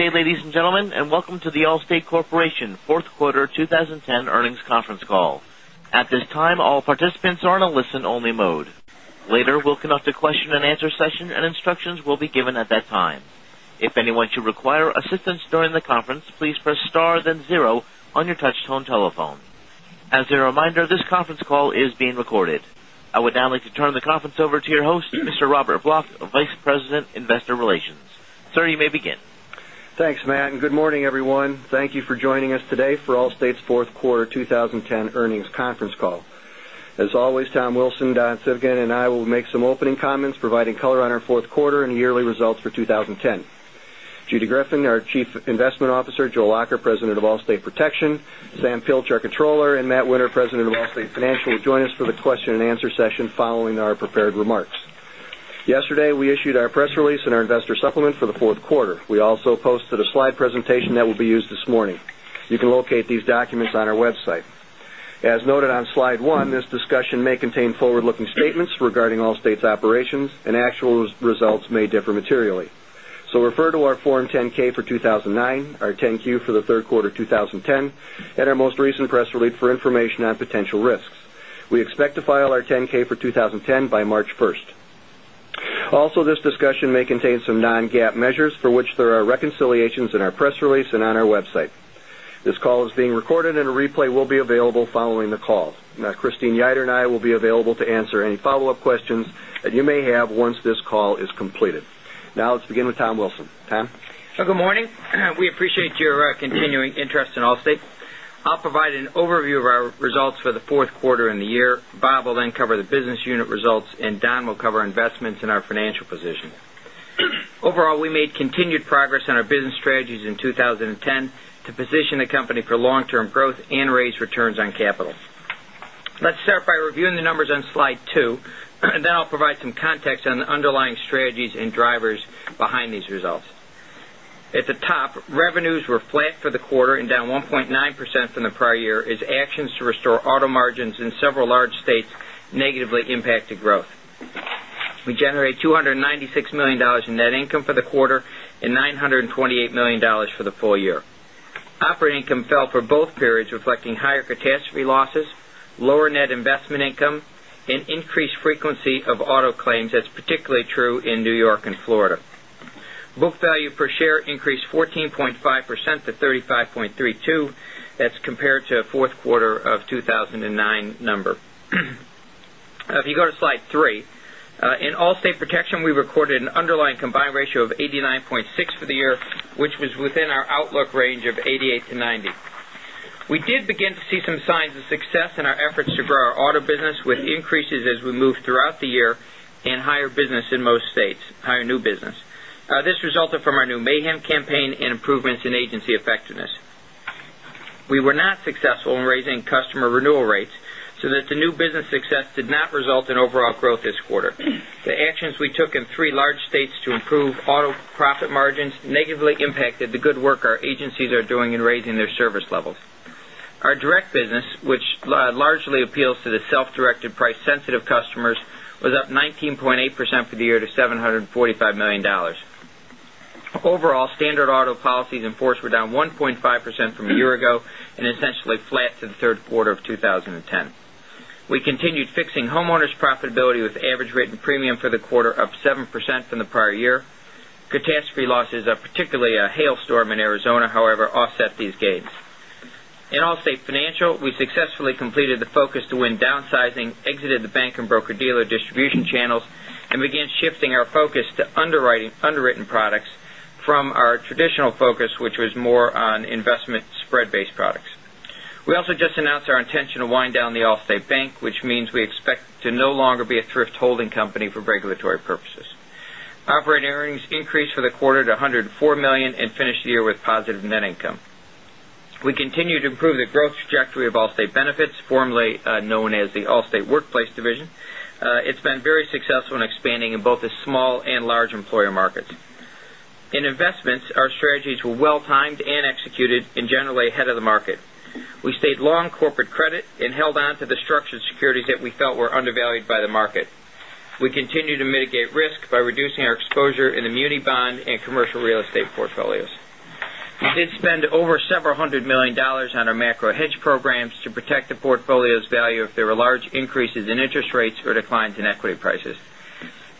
Good day, ladies and gentlemen, and welcome to The Allstate Corporation Fourth Quarter 2010 Earnings Conference Call. At this time, all participants are in a listen-only mode. Later, we'll conduct a question and answer session, and instructions will be given at that time. If anyone should require assistance during the conference, please press star then zero on your touchtone telephone. As a reminder, this conference call is being recorded. I would now like to turn the conference over to your host, Mr. Robert Block, Vice President, Investor Relations. Sir, you may begin. Thanks, Matt, good morning, everyone. Thank you for joining us today for Allstate's Fourth Quarter 2010 Earnings Conference Call. As always, Tom Wilson, Don Civgin, and I will make some opening comments providing color on our fourth quarter and yearly results for 2010. Judy Greffin, our Chief Investment Officer, Joe Lacher, President of Allstate Protection, Sam Pilch, our Controller, and Matt Winter, President of Allstate Financial, will join us for the question and answer session following our prepared remarks. Yesterday, we issued our press release and our investor supplement for the fourth quarter. We also posted a slide presentation that will be used this morning. You can locate these documents on our website. As noted on slide one, this discussion may contain forward-looking statements regarding Allstate's operations and actual results may differ materially. Refer to our Form 10-K for 2009, our 10-Q for the third quarter 2010, and our most recent press release for information on potential risks. We expect to file our 10-K for 2010 by March 1st. This discussion may contain some non-GAAP measures for which there are reconciliations in our press release and on our website. This call is being recorded, and a replay will be available following the call. Christine Yoder and I will be available to answer any follow-up questions that you may have once this call is completed. Let's begin with Tom Wilson. Tom? Good morning. We appreciate your continuing interest in Allstate. I'll provide an overview of our results for the fourth quarter and the year. Bob will then cover the business unit results, and Don will cover investments in our financial position. Overall, we made continued progress on our business strategies in 2010 to position the company for long-term growth and raise returns on capital. Let's start by reviewing the numbers on slide two, then I'll provide some context on the underlying strategies and drivers behind these results. At the top, revenues were flat for the quarter and down 1.9% from the prior year as actions to restore auto margins in several large states negatively impacted growth. We generated $296 million in net income for the quarter and $928 million for the full year. Operating income fell for both periods, reflecting higher catastrophe losses, lower net investment income, and increased frequency of auto claims. That's particularly true in N.Y. and Florida. Book value per share increased 14.5% to $35.32 as compared to fourth quarter of 2009 number. If you go to slide three, in Allstate Protection, we recorded an underlying combined ratio of 89.6 for the year, which was within our outlook range of 88-90. We did begin to see some signs of success in our efforts to grow our auto business, with increases as we moved throughout the year in higher business in most states, higher new business. This resulted from our new Mayhem campaign and improvements in agency effectiveness. We were not successful in raising customer renewal rates, the new business success did not result in overall growth this quarter. The actions we took in three large states to improve auto profit margins negatively impacted the good work our agencies are doing in raising their service levels. Our direct business, which largely appeals to the self-directed, price-sensitive customers, was up 19.8% for the year to $745 million. Overall, standard auto policies in force were down 1.5% from a year ago and essentially flat to the third quarter of 2010. We continued fixing homeowners' profitability with average rate and premium for the quarter up 7% from the prior year. Catastrophe losses, particularly a hailstorm in Arizona, however, offset these gains. In Allstate Financial, we successfully completed the focus to win downsizing, exited the bank and broker-dealer distribution channels, and began shifting our focus to underwritten products from our traditional focus, which was more on investment spread-based products. We also just announced our intention to wind down the Allstate Bank, which means we expect to no longer be a thrift holding company for regulatory purposes. Operating earnings increased for the quarter to $104 million and finished the year with positive net income. We continue to improve the growth trajectory of Allstate Benefits, formerly known as the Allstate Workplace Division. It's been very successful in expanding in both the small and large employer markets. In investments, our strategies were well-timed and executed and generally ahead of the market. We stayed long corporate credit and held on to the structured securities that we felt were undervalued by the market. We continue to mitigate risk by reducing our exposure in the muni bond and commercial real estate portfolios. We did spend over several hundred million dollars on our macro hedge programs to protect the portfolio's value if there were large increases in interest rates or declines in equity prices.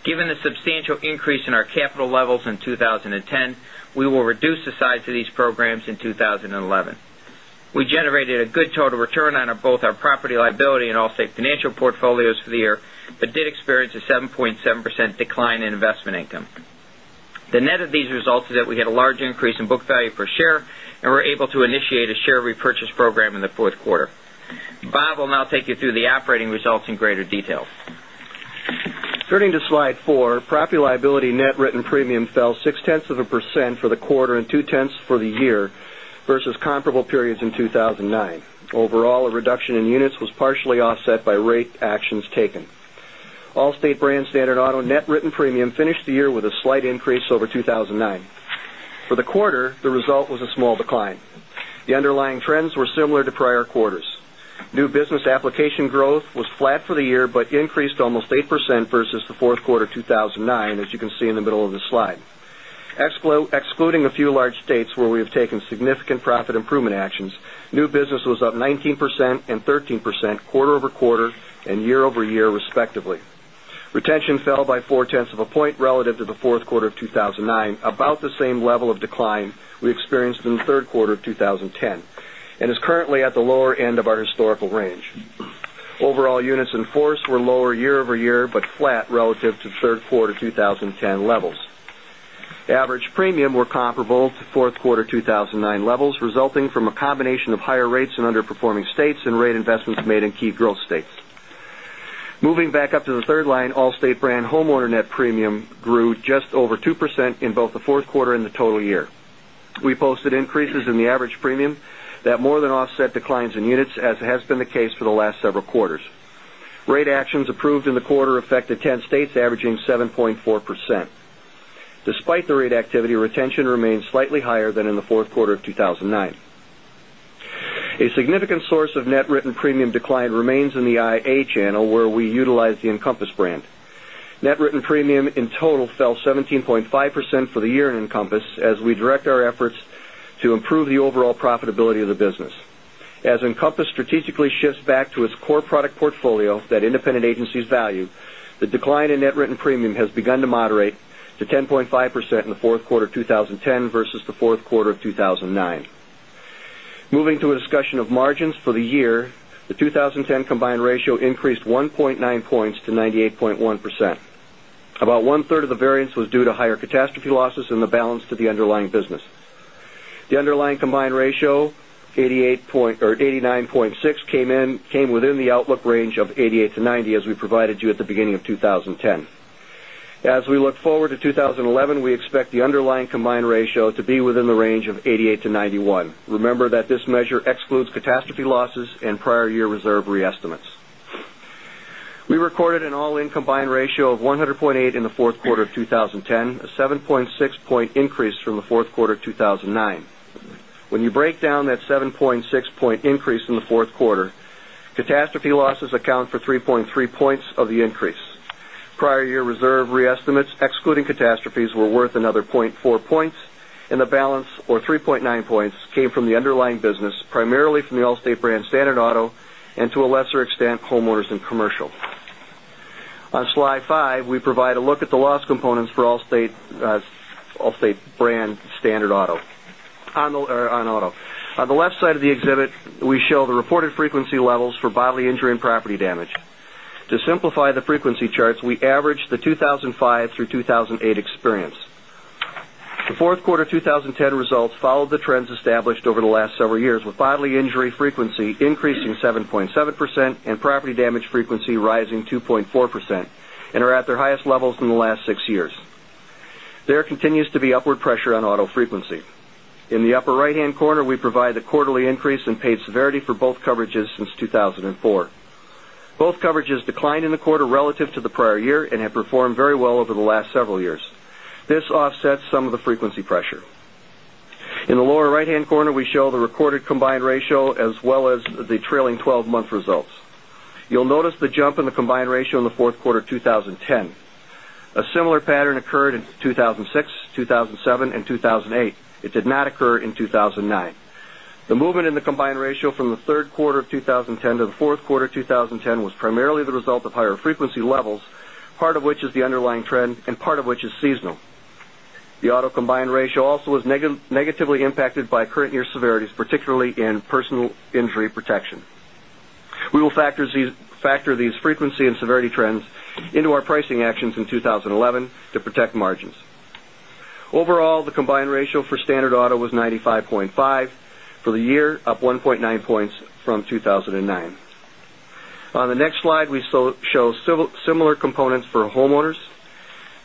Given the substantial increase in our capital levels in 2010, we will reduce the size of these programs in 2011. We generated a good total return on both our property liability and Allstate Financial portfolios for the year but did experience a 7.7% decline in investment income. The net of these results is that we had a large increase in book value per share, we're able to initiate a share repurchase program in the fourth quarter. Bob will now take you through the operating results in greater detail. Turning to slide four, property and liability net written premium fell 0.6% for the quarter and 0.2% for the year versus comparable periods in 2009. Overall, a reduction in units was partially offset by rate actions taken. Allstate brand standard auto net written premium finished the year with a slight increase over 2009. For the quarter, the result was a small decline. The underlying trends were similar to prior quarters. New business application growth was flat for the year, but increased almost 8% versus the fourth quarter 2009, as you can see in the middle of the slide. Excluding a few large states where we have taken significant profit improvement actions, new business was up 19% and 13% quarter-over-quarter and year-over-year respectively. Retention fell by 0.4 points relative to the fourth quarter of 2009, about the same level of decline we experienced in the third quarter of 2010, and is currently at the lower end of our historical range. Overall units in force were lower year-over-year, but flat relative to third quarter 2010 levels. Average premium were comparable to fourth quarter 2009 levels, resulting from a combination of higher rates in underperforming states and rate investments made in key growth states. Moving back up to the third line, Allstate brand homeowner net premium grew just over 2% in both the fourth quarter and the total year. We posted increases in the average premium that more than offset declines in units, as has been the case for the last several quarters. Rate actions approved in the quarter affected 10 states, averaging 7.4%. Despite the rate activity, retention remains slightly higher than in the fourth quarter of 2009. A significant source of net written premium decline remains in the IA channel, where we utilize the Encompass brand. Net written premium in total fell 17.5% for the year in Encompass, as we direct our efforts to improve the overall profitability of the business. As Encompass strategically shifts back to its core product portfolio that independent agencies value, the decline in net written premium has begun to moderate to 10.5% in the fourth quarter 2010 versus the fourth quarter of 2009. Moving to a discussion of margins for the year, the 2010 combined ratio increased 1.9 points to 98.1%. About one-third of the variance was due to higher catastrophe losses and the balance to the underlying business. The underlying combined ratio, 89.6, came within the outlook range of 88-90 as we provided you at the beginning of 2010. As we look forward to 2011, we expect the underlying combined ratio to be within the range of 88-91. Remember that this measure excludes catastrophe losses and prior year reserve re-estimates. We recorded an all-in combined ratio of 100.8 in the fourth quarter of 2010, a 7.6 point increase from the fourth quarter 2009. When you break down that 7.6 point increase in the fourth quarter, catastrophe losses account for 3.3 points of the increase. Prior year reserve re-estimates, excluding catastrophes, were worth another 0.4 points, and the balance, or 3.9 points, came from the underlying business, primarily from the Allstate brand standard auto, and to a lesser extent, homeowners and commercial. On slide five, we provide a look at the loss components for Allstate brand standard auto. On auto. On the left side of the exhibit, we show the reported frequency levels for bodily injury and property damage. To simplify the frequency charts, we average the 2005 through 2008 experience. The fourth quarter 2010 results followed the trends established over the last several years, with bodily injury frequency increasing 7.7% and property damage frequency rising 2.4% and are at their highest levels in the last six years. There continues to be upward pressure on auto frequency. In the upper right-hand corner, we provide the quarterly increase in paid severity for both coverages since 2004. Both coverages declined in the quarter relative to the prior year and have performed very well over the last several years. This offsets some of the frequency pressure. In the lower right-hand corner, we show the recorded combined ratio as well as the trailing 12-month results. You'll notice the jump in the combined ratio in the fourth quarter 2010. A similar pattern occurred in 2006, 2007, and 2008. It did not occur in 2009. The movement in the combined ratio from the third quarter of 2010 to the fourth quarter 2010 was primarily the result of higher frequency levels, part of which is the underlying trend and part of which is seasonal. The auto combined ratio also was negatively impacted by current year severities, particularly in personal injury protection. We will factor these frequency and severity trends into our pricing actions in 2011 to protect margins. Overall, the combined ratio for standard auto was 95.5 for the year, up 1.9 points from 2009. On the next slide, we show similar components for homeowners.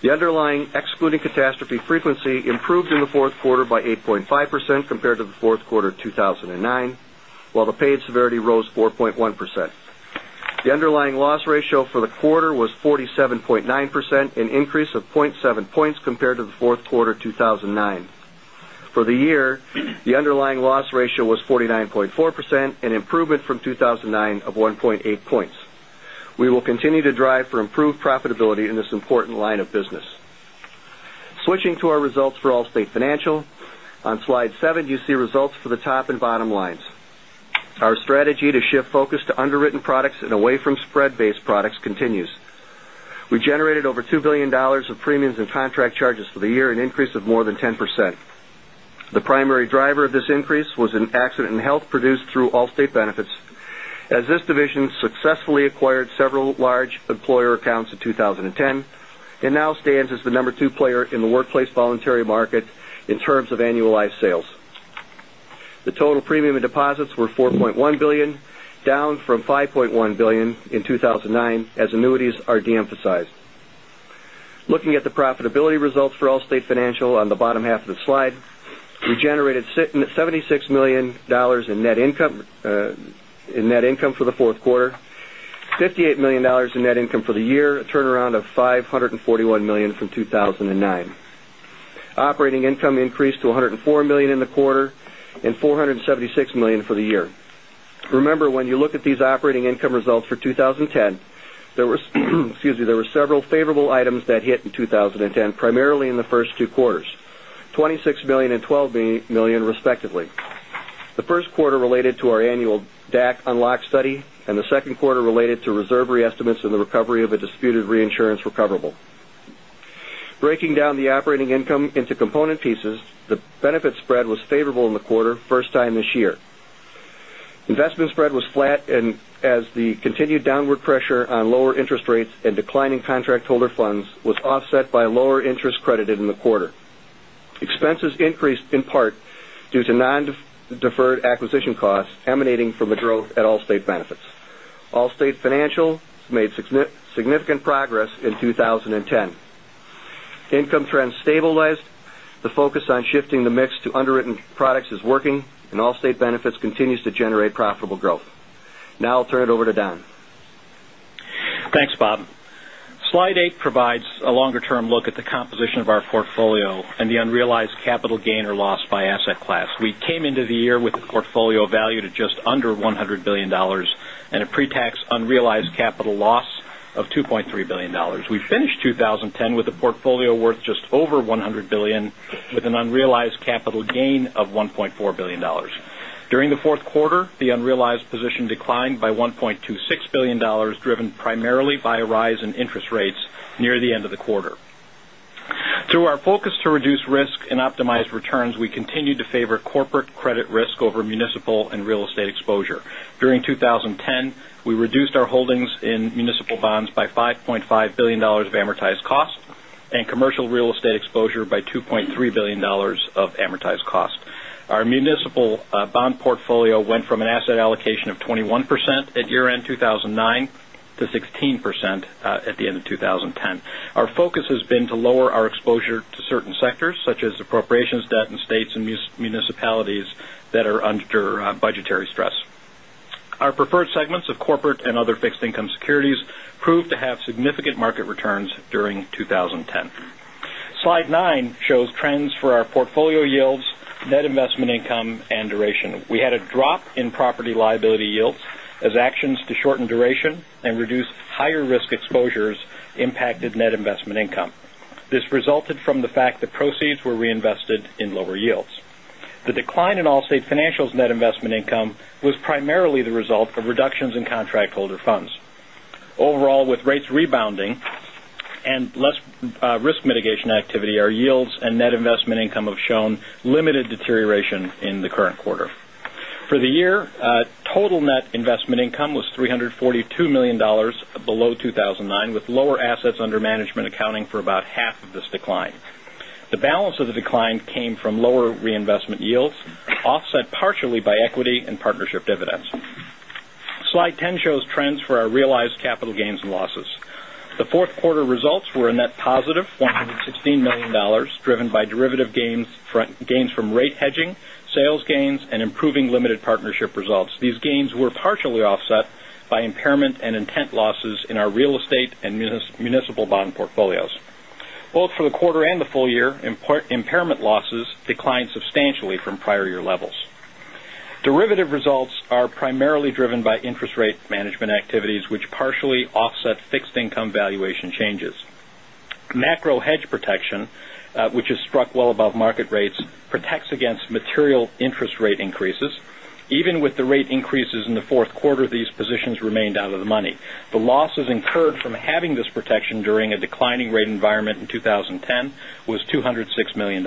The underlying excluding catastrophe frequency improved in the fourth quarter by 8.5% compared to the fourth quarter 2009, while the paid severity rose 4.1%. The underlying loss ratio for the quarter was 47.9%, an increase of 0.7 points compared to the fourth quarter 2009. For the year, the underlying loss ratio was 49.4%, an improvement from 2009 of 1.8 points. We will continue to drive for improved profitability in this important line of business. Switching to our results for Allstate Financial, on slide seven, you see results for the top and bottom lines. Our strategy to shift focus to underwritten products and away from spread-based products continues. We generated over $2 billion of premiums and contract charges for the year, an increase of more than 10%. The primary driver of this increase was in accident and health produced through Allstate Benefits, as this division successfully acquired several large employer accounts in 2010 and now stands as the number 2 player in the workplace voluntary market in terms of annualized sales. The total premium and deposits were $4.1 billion, down from $5.1 billion in 2009 as annuities are de-emphasized. Looking at the profitability results for Allstate Financial on the bottom half of the slide, we generated $76 million in net income for the fourth quarter, $58 million in net income for the year, a turnaround of $541 million from 2009. Operating income increased to $104 million in the quarter and $476 million for the year. Remember, when you look at these operating income results for 2010, there were several favorable items that hit in 2010, primarily in the first two quarters, $26 million and $12 million respectively. The first quarter related to our annual DAC unlock study, and the second quarter related to reserve re-estimates in the recovery of a disputed reinsurance recoverable. Breaking down the operating income into component pieces, the benefit spread was favorable in the quarter, first time this year. Investment spread was flat as the continued downward pressure on lower interest rates and declining contract holder funds was offset by lower interest credited in the quarter. Expenses increased in part due to non-deferred acquisition costs emanating from the growth at Allstate Benefits. Allstate Financial made significant progress in 2010. Income trends stabilized. The focus on shifting the mix to underwritten products is working, and Allstate Benefits continues to generate profitable growth. I'll turn it over to Don. Thanks, Bob. Slide eight provides a longer-term look at the composition of our portfolio and the unrealized capital gain or loss by asset class. We came into the year with a portfolio valued at just under $100 billion and a pre-tax unrealized capital loss of $2.3 billion. We finished 2010 with a portfolio worth just over $100 billion with an unrealized capital gain of $1.4 billion. During the fourth quarter, the unrealized position declined by $1.26 billion, driven primarily by a rise in interest rates near the end of the quarter. Through our focus to reduce risk and optimize returns, we continued to favor corporate credit risk over municipal and real estate exposure. During 2010, we reduced our holdings in municipal bonds by $5.5 billion of amortized cost and commercial real estate exposure by $2.3 billion of amortized cost. Our municipal bond portfolio went from an asset allocation of 21% at year-end 2009 to 16% at the end of 2010. Our focus has been to lower our exposure to certain sectors, such as appropriations debt in states and municipalities that are under budgetary stress. Our preferred segments of corporate and other fixed income securities proved to have significant market returns during 2010. Slide nine shows trends for our portfolio yields, net investment income, and duration. We had a drop in property liability yields as actions to shorten duration and reduce higher risk exposures impacted net investment income. This resulted from the fact that proceeds were reinvested in lower yields. The decline in Allstate Financial's net investment income was primarily the result of reductions in contract holder funds. Overall, with rates rebounding and less risk mitigation activity, our yields and net investment income have shown limited deterioration in the current quarter. For the year, total net investment income was $342 million, below 2009, with lower assets under management accounting for about half of this decline. The balance of the decline came from lower reinvestment yields, offset partially by equity and partnership dividends. Slide 10 shows trends for our realized capital gains and losses. The fourth quarter results were a net positive $116 million, driven by derivative gains from rate hedging, sales gains, and improving limited partnership results. These gains were partially offset by impairment and intent losses in our real estate and municipal bond portfolios. Both for the quarter and the full year, impairment losses declined substantially from prior year levels. Derivative results are primarily driven by interest rate management activities, which partially offset fixed income valuation changes. Macro hedge protection, which is struck well above market rates, protects against material interest rate increases. Even with the rate increases in the fourth quarter, these positions remained out of the money. The losses incurred from having this protection during a declining rate environment in 2010 was $206 million.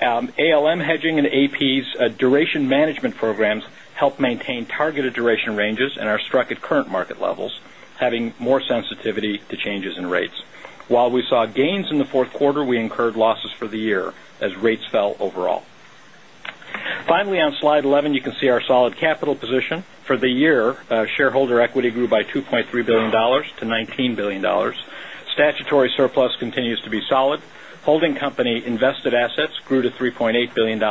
ALM hedging and AP's duration management programs help maintain targeted duration ranges and are struck at current market levels, having more sensitivity to changes in rates. While we saw gains in the fourth quarter, we incurred losses for the year as rates fell overall. Finally, on slide 11, you can see our solid capital position. For the year, shareholder equity grew by $2.3 billion to $19 billion. Statutory surplus continues to be solid. Holding company invested assets grew to $3.8 billion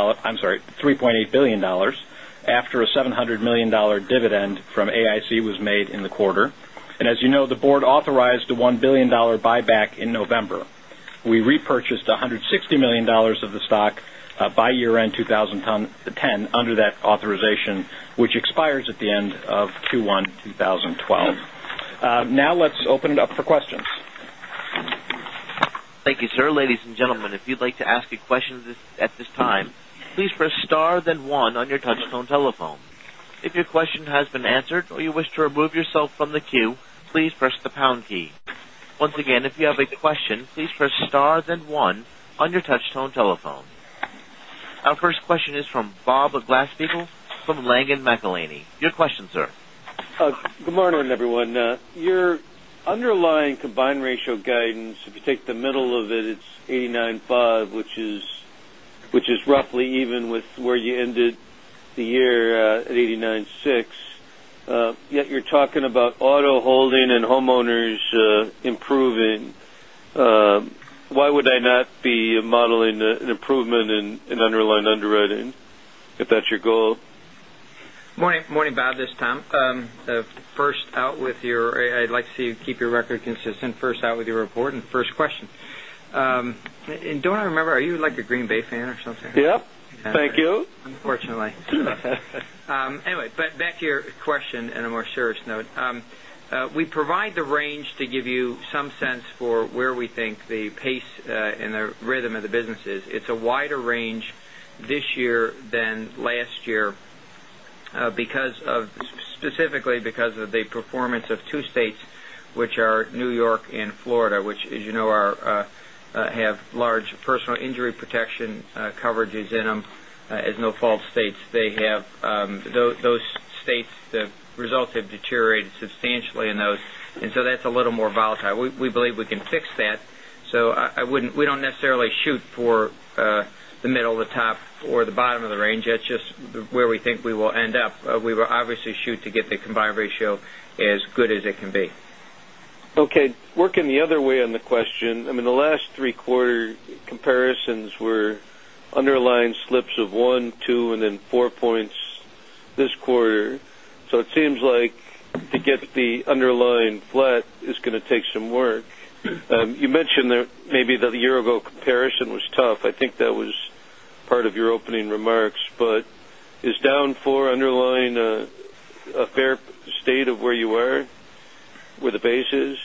after a $700 million dividend from AIC was made in the quarter. As you know, the board authorized a $1 billion buyback in November. We repurchased $160 million of the stock by year-end 2010 under that authorization, which expires at the end of Q1 2012. Now let's open it up for questions. Thank you, sir. Ladies and gentlemen, if you'd like to ask a question at this time, please press star then one on your touch tone telephone. If your question has been answered or you wish to remove yourself from the queue, please press the pound key. Once again, if you have a question, please press star then one on your touch tone telephone. Our first question is from Bob Glasspiegel from Langen McAlenney. Your question, sir. Good morning, everyone. Your underlying combined ratio guidance, if you take the middle of it's 89.5, which is roughly even with where you ended the year at 89.6. Yet you're talking about auto holding and homeowners improving. Why would I not be modeling an improvement in underlying underwriting if that's your goal? Morning, Bob. This is Tom. I'd like to see you keep your record consistent. First out with your report and first question. Don't I remember, are you like a Green Bay fan or something? Yep. Thank you. Unfortunately. Anyway, back to your question in a more serious note. We provide the range to give you some sense for where we think the pace and the rhythm of the business is. It's a wider range this year than last year specifically because of the performance of two states, which are New York and Florida, which as you know, have large personal injury protection coverages in them as no-fault states. Those states, the results have deteriorated substantially in those, and so that's a little more volatile. We believe we can fix that. We don't necessarily shoot for the middle, the top, or the bottom of the range. That's just where we think we will end up. We will obviously shoot to get the combined ratio as good as it can be. Okay. Working the other way on the question, the last three quarter comparisons were underlying slips of one, two, and then four points this quarter. It seems like to get the underlying flat is going to take some work. You mentioned that maybe the year-ago comparison was tough. I think that was part of your opening remarks, is down four underlying a fair state of where you are, where the base is?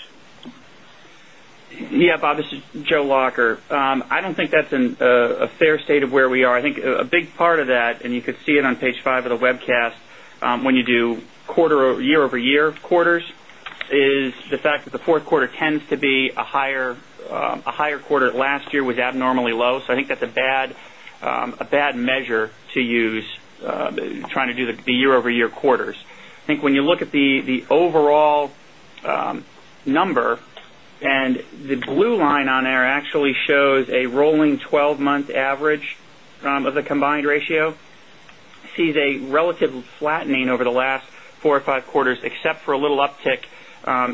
Yep. Bob, this is Joe Lacher. I don't think that's a fair state of where we are. I think a big part of that, and you could see it on page five of the webcast, when you do year-over-year quarters, is the fact that the fourth quarter tends to be a higher quarter. Last year was abnormally low. I think that's a bad measure to use trying to do the year-over-year quarters. I think when you look at the overall number and the blue line on there actually shows a rolling 12-month average of the combined ratio, sees a relative flattening over the last four or five quarters, except for a little uptick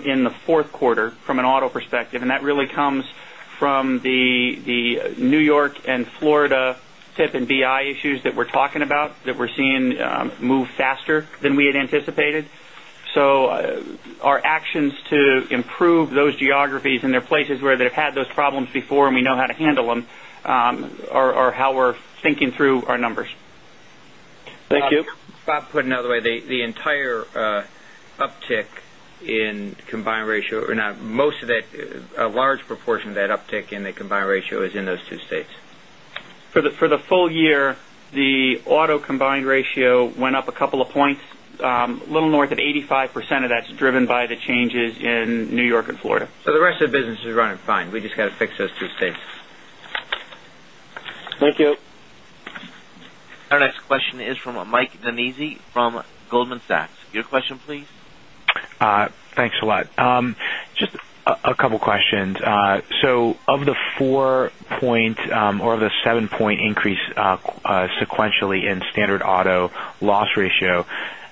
in the fourth quarter from an auto perspective. That really comes from the N.Y. and Florida PIP and BI issues that we're talking about that we're seeing move faster than we had anticipated. Our actions to improve those geographies and they're places where they've had those problems before and we know how to handle them are how we're thinking through our numbers. Thank you. Bob, put another way, a large proportion of that uptick in the combined ratio is in those two states. For the full year, the auto combined ratio went up a couple of points. Little north of 85% of that is driven by the changes in New York and Florida. The rest of the business is running fine. We just got to fix those two states. Thank you. Our next question is from Mike Nannizzi from Goldman Sachs. Your question, please. Thanks a lot. Just a couple questions. Of the 4-point or the 7-point increase sequentially in standard auto loss ratio,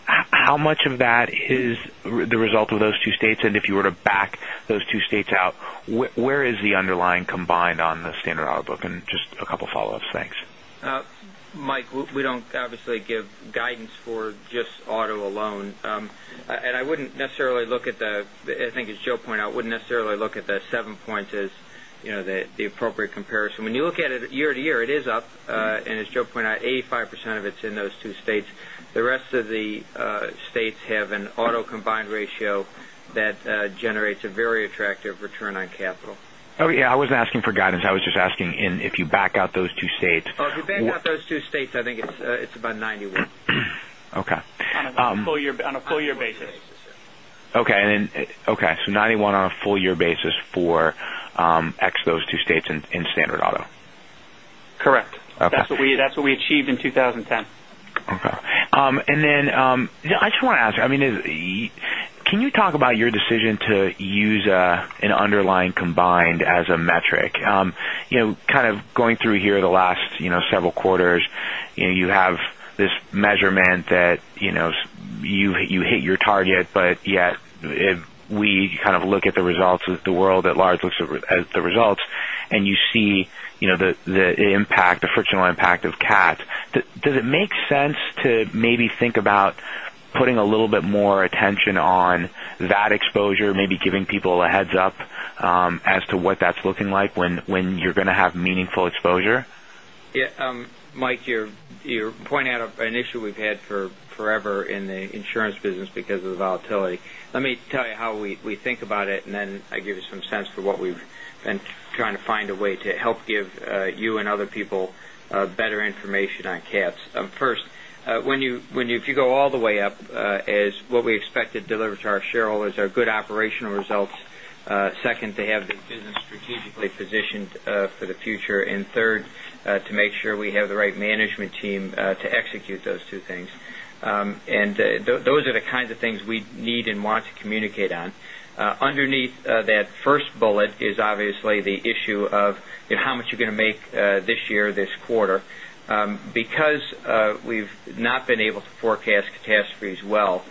how much of that is the result of those two states and if you were to back those two states out, where is the underlying combined on the standard auto book? Just a couple of follow-ups. Thanks. Mike, we don't obviously give guidance for just auto alone. I think as Joe pointed out, wouldn't necessarily look at the 7-point as the appropriate comparison. When you look at it year-over-year, it is up. As Joe pointed out, 85% of it's in those two states. The rest of the states have an auto combined ratio that generates a very attractive return on capital. Okay. Yeah, I wasn't asking for guidance. I was just asking if you back out those two states. If you back out those two states, I think it's about 91. Okay. On a full year basis. Okay. 91 on a full year basis for ex those two states in standard auto. Correct. Okay. That's what we achieved in 2010. Okay. I just want to ask you, can you talk about your decision to use an underlying combined as a metric? Kind of going through here the last several quarters, you have this measurement that you hit your target, but yet if we kind of look at the results, the world at large looks at the results, and you see the frictional impact of CATs. Does it make sense to maybe think about putting a little bit more attention on that exposure, maybe giving people a heads up as to what that's looking like when you're going to have meaningful exposure? Mike, you're pointing out an issue we've had for forever in the insurance business because of the volatility. Let me tell you how we think about it, then I give you some sense for what we've been trying to find a way to help give you and other people better information on CATs. First, if you go all the way up, is what we expect to deliver to our shareholders are good operational results. Second, to have the business strategically positioned for the future. Third, to make sure we have the right management team to execute those two things. Those are the kinds of things we need and want to communicate on. Underneath that first bullet is obviously the issue of how much you're going to make this year, this quarter. Because we've not been able to forecast catastrophes well,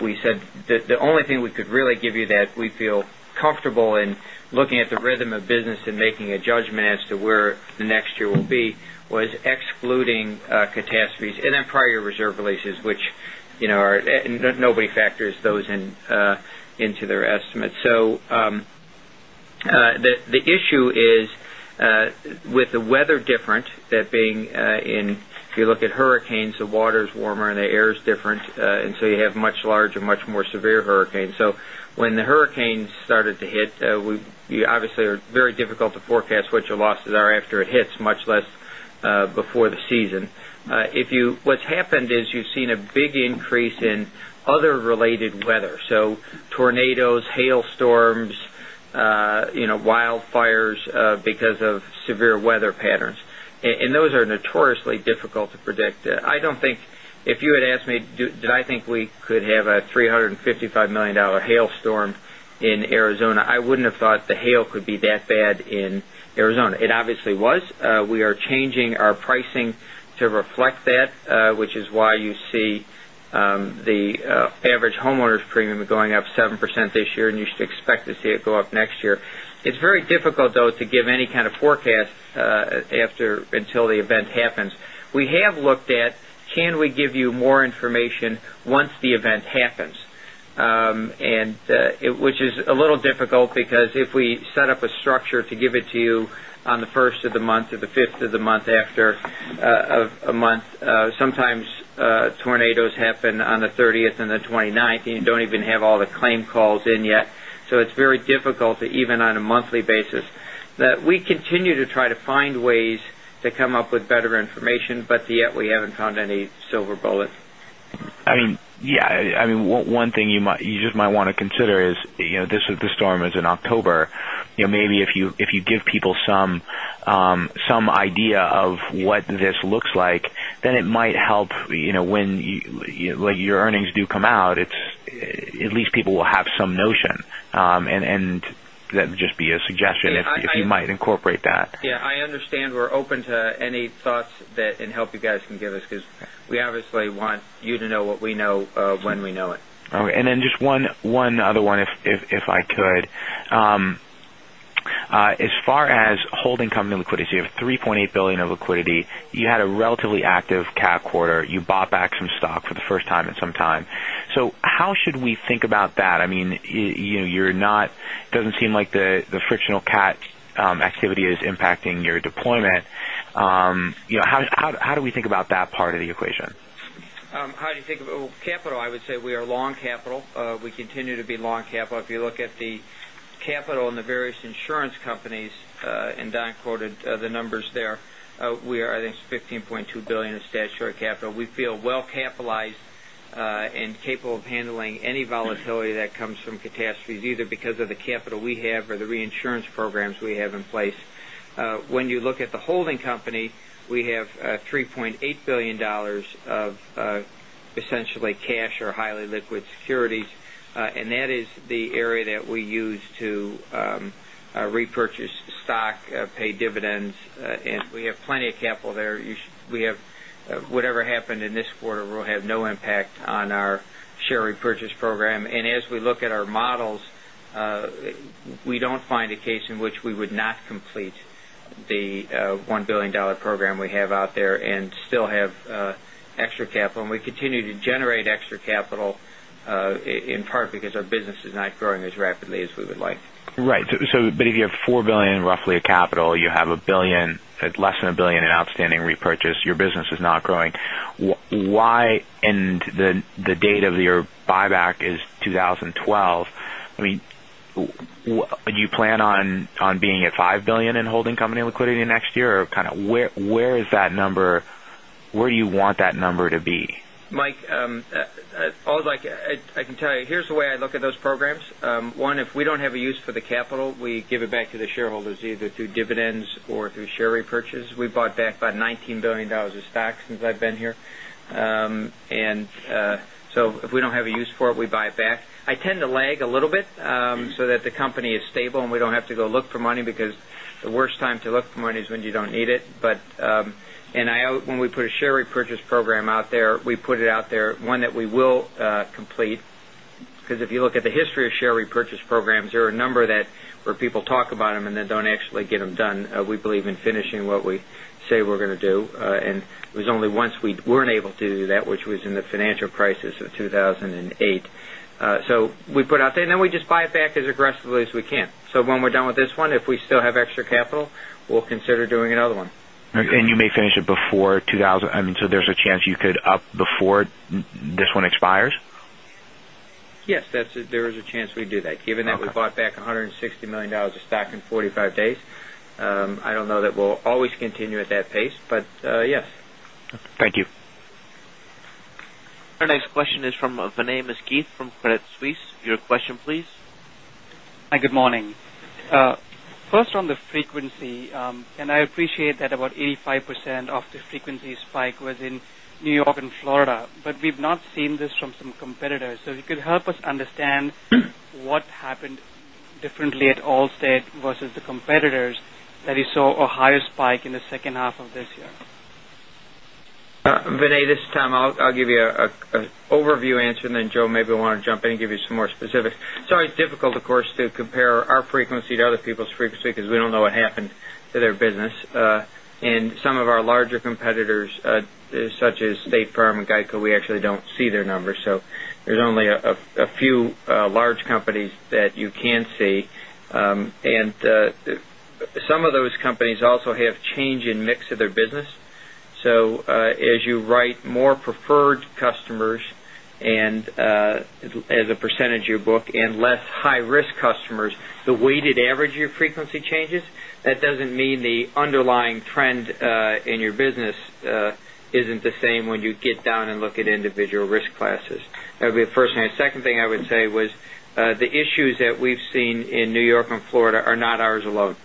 we said that the only thing we could really give you that we feel comfortable in looking at the rhythm of business and making a judgment as to where the next year will be was excluding catastrophes, then prior reserve releases, which nobody factors those into their estimates. The issue is with the weather different, that being if you look at hurricanes, the water's warmer and the air's different, you have much larger, much more severe hurricanes. When the hurricanes started to hit, obviously are very difficult to forecast what your losses are after it hits, much less before the season. What's happened is you've seen a big increase in other related weather. Tornadoes, hail storms, wildfires because of severe weather patterns. Those are notoriously difficult to predict. If you had asked me, did I think we could have a $355 million hailstorm in Arizona, I wouldn't have thought the hail could be that bad in Arizona. It obviously was. We are changing our pricing to reflect that, which is why you see the average homeowner's premium going up 7% this year, you should expect to see it go up next year. It's very difficult, though, to give any kind of forecast until the event happens. We have looked at can we give you more information once the event happens, which is a little difficult because if we set up a structure to give it to you on the first of the month or the fifth of the month after a month, sometimes tornadoes happen on the 30th and the 29th, you don't even have all the claim calls in yet. It's very difficult to even on a monthly basis. We continue to try to find ways to come up with better information, yet we haven't found any silver bullets. Yeah. One thing you just might want to consider is this storm is in October. Maybe if you give people some idea of what this looks like, then it might help when your earnings do come out. At least people will have some notion. That would just be a suggestion if you might incorporate that. Yeah, I understand. We're open to any thoughts and help you guys can give us because we obviously want you to know what we know when we know it. All right. Then just one other one, if I could. As far as holding company liquidity, you have $3.8 billion of liquidity. You had a relatively active cap quarter. You bought back some stock for the first time in some time. How should we think about that? It doesn't seem like the frictional cat activity is impacting your deployment. How do we think about that part of the equation? How do you think about capital? I would say we are long capital. We continue to be long capital. If you look at the capital in the various insurance companies, Don quoted the numbers there, we are, I think it's $15.2 billion of statutory capital. We feel well-capitalized and capable of handling any volatility that comes from catastrophes, either because of the capital we have or the reinsurance programs we have in place. When you look at the holding company, we have $3.8 billion of essentially cash or highly liquid securities. That is the area that we use to repurchase stock, pay dividends, and we have plenty of capital there. Whatever happened in this quarter will have no impact on our share repurchase program. As we look at our models, we don't find a case in which we would not complete the $1 billion program we have out there and still have extra capital. We continue to generate extra capital, in part because our business is not growing as rapidly as we would like. Right. If you have $4 billion roughly of capital, you have less than $1 billion in outstanding repurchase, your business is not growing. The date of your buyback is 2012. Do you plan on being at $5 billion in holding company liquidity next year? Where do you want that number to be? Mike, I can tell you, here's the way I look at those programs. One, if we don't have a use for the capital, we give it back to the shareholders, either through dividends or through share repurchase. We bought back about $19 billion of stock since I've been here. If we don't have a use for it, we buy it back. I tend to lag a little bit so that the company is stable, and we don't have to go look for money because the worst time to look for money is when you don't need it. When we put a share repurchase program out there, we put it out there one that we will complete because if you look at the history of share repurchase programs, there are a number where people talk about them and then don't actually get them done. We believe in finishing what we say we're going to do. It was only once we weren't able to do that, which was in the financial crisis of 2008. We put out there, and then we just buy it back as aggressively as we can. When we're done with this one, if we still have extra capital, we'll consider doing another one. You may finish it before, I mean, so there's a chance you could up before this one expires? Yes. There is a chance we do that given that we bought back $160 million of stock in 45 days. I don't know that we'll always continue at that pace, but yes. Thank you. Our next question is from Vinay Misquith from Credit Suisse. Your question, please. Hi, good morning. First on the frequency, I appreciate that about 85% of the frequency spike was in N.Y. and Florida, but we've not seen this from some competitors. If you could help us understand what happened differently at Allstate versus the competitors that you saw a higher spike in the second half of this year. Vinay, this is Tom. I'll give you an overview answer, then Joe maybe will want to jump in and give you some more specifics. It's always difficult, of course, to compare our frequency to other people's frequency, because we don't know what happened to their business. Some of our larger competitors, such as State Farm and GEICO, we actually don't see their numbers. There's only a few large companies that you can see. Some of those companies also have change in mix of their business. As you write more preferred customers as a percentage of your book and less high-risk customers, the weighted average of your frequency changes. That doesn't mean the underlying trend in your business isn't the same when you get down and look at individual risk classes. That would be the first thing. The second thing I would say was the issues that we've seen in N.Y. and Florida are not ours alone.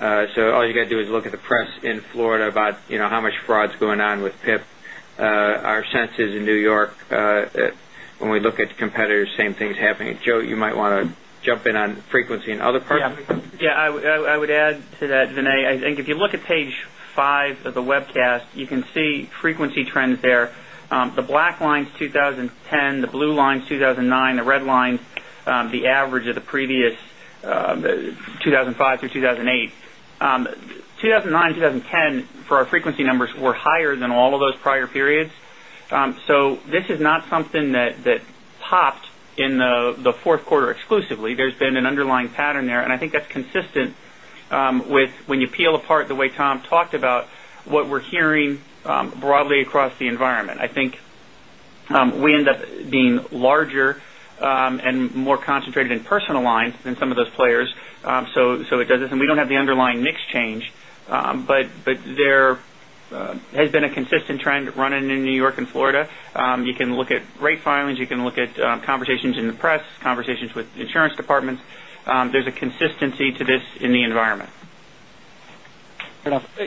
All you got to do is look at the press in Florida about how much fraud's going on with PIP. Our sense is in N.Y., when we look at the competitors, same thing's happening. Joe, you might want to jump in on frequency in other parts. Yeah. I would add to that, Vinay, I think if you look at page five of the webcast, you can see frequency trends there. The black line's 2010, the blue line's 2009, the red line, the average of the previous 2005 through 2008. 2009, 2010 for our frequency numbers were higher than all of those prior periods. This is not something that popped in the fourth quarter exclusively. There's been an underlying pattern there, I think that's consistent with when you peel apart the way Tom talked about what we're hearing broadly across the environment. I think we end up being larger and more concentrated in personal lines than some of those players. We don't have the underlying mix change. There has been a consistent trend running in N.Y. and Florida. You can look at rate filings. You can look at conversations in the press, conversations with insurance departments. There's a consistency to this in the environment. Fair enough.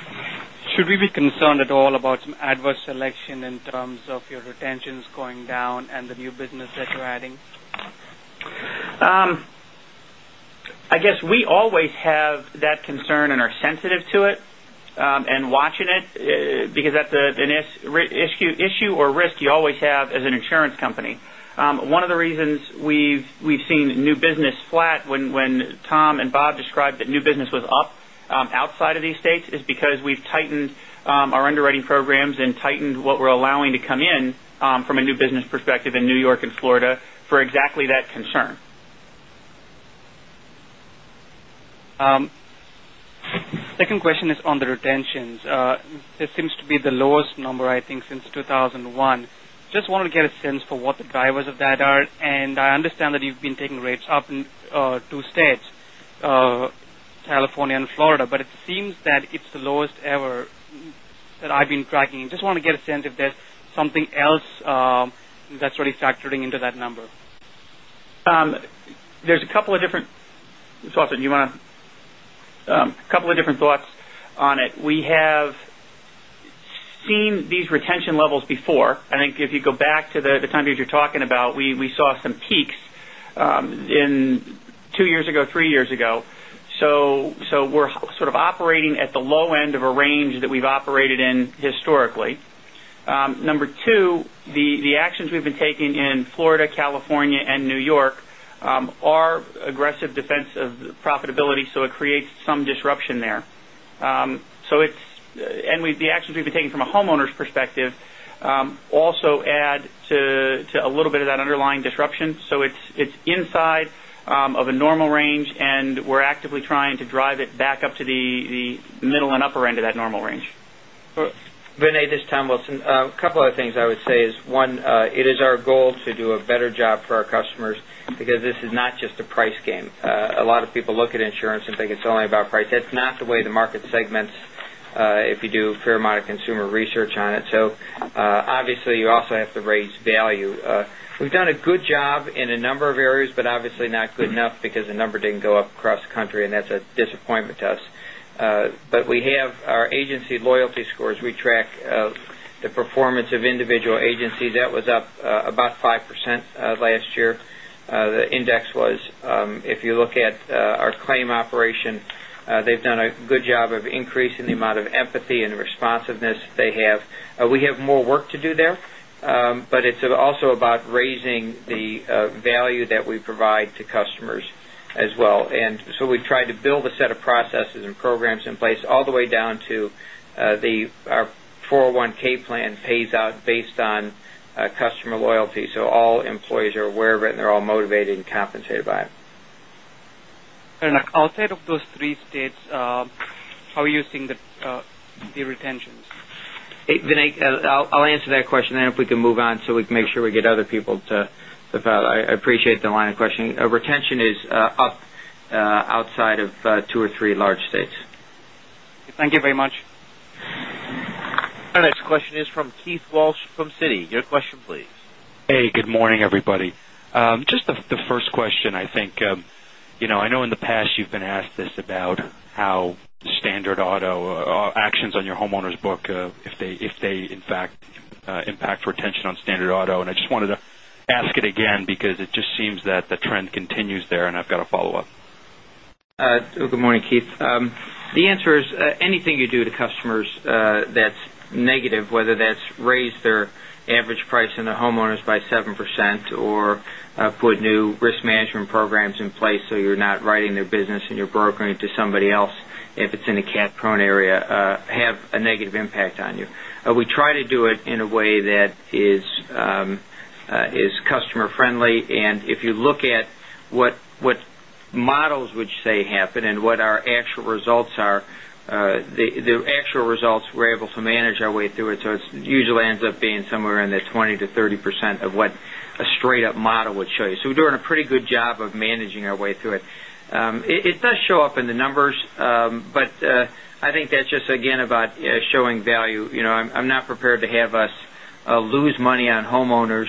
Should we be concerned at all about some adverse selection in terms of your retentions going down and the new business that you're adding? I guess we always have that concern and are sensitive to it and watching it because that's an issue or risk you always have as an insurance company. One of the reasons we've seen new business flat when Thomas Wilson and Robert Block described that new business was up outside of these states is because we've tightened our underwriting programs and tightened what we're allowing to come in from a new business perspective in N.Y. and Florida for exactly that concern. Second question is on the retentions. It seems to be the lowest number, I think, since 2001. Just want to get a sense for what the drivers of that are. I understand that you've been taking rates up in two states, California and Florida, it seems that it's the lowest ever that I've been tracking. Just want to get a sense if there's something else that's really factoring into that number. There's a couple of different thoughts on it. We have seen these retention levels before. I think if you go back to the time period you're talking about, we saw some peaks two years ago, three years ago. We're sort of operating at the low end of a range that we've operated in historically. Number two, the actions we've been taking in Florida, California, and N.Y. are aggressive defense of profitability, so it creates some disruption there. The actions we've been taking from a homeowner's perspective also add to a little bit of that underlying disruption. It's inside of a normal range, and we're actively trying to drive it back up to the middle and upper end of that normal range. Vinay, this is Tom Wilson. A couple other things I would say is, one, it is our goal to do a better job for our customers because this is not just a price game. A lot of people look at insurance and think it's only about price. That's not the way the market segments if you do a fair amount of consumer research on it. Obviously, you also have to raise value. We've done a good job in a number of areas, but obviously not good enough because the number didn't go up across the country, and that's a disappointment to us. We have our agency loyalty scores. We track the performance of individual agencies. That was up about 5% last year. The index was, if you look at our claim operation, they've done a good job of increasing the amount of empathy and responsiveness they have. We have more work to do there, it's also about raising the value that we provide to customers as well. We've tried to build a set of processes and programs in place all the way down to our 401 plan pays out based on customer loyalty. All employees are aware of it, and they're all motivated and compensated by it. Outside of those three states, how are you seeing the retentions? Vinay, I'll answer that question. If we can move on so we can make sure we get other people. I appreciate the line of questioning. Retention is up outside of two or three large states. Thank you very much. Our next question is from Keith Walsh from Citi. Your question, please. Hey, good morning, everybody. Just the first question, I think. I know in the past you've been asked this about how standard auto actions on your homeowners book, if they in fact impact retention on standard auto, and I just wanted to ask it again because it just seems that the trend continues there, and I've got a follow-up. Good morning, Keith. The answer is anything you do to customers that's negative, whether that's raise their average price on their homeowners by 7% or put new risk management programs in place so you're not writing their business and you're brokering it to somebody else, if it's in a cat-prone area, have a negative impact on you. We try to do it in a way that is customer friendly, and if you look at what models would say happen and what our actual results are, the actual results, we're able to manage our way through it. It usually ends up being somewhere in the 20%-30% of what a straight-up model would show you. We're doing a pretty good job of managing our way through it. It does show up in the numbers, I think that's just, again, about showing value. I'm not prepared to have us lose money on homeowners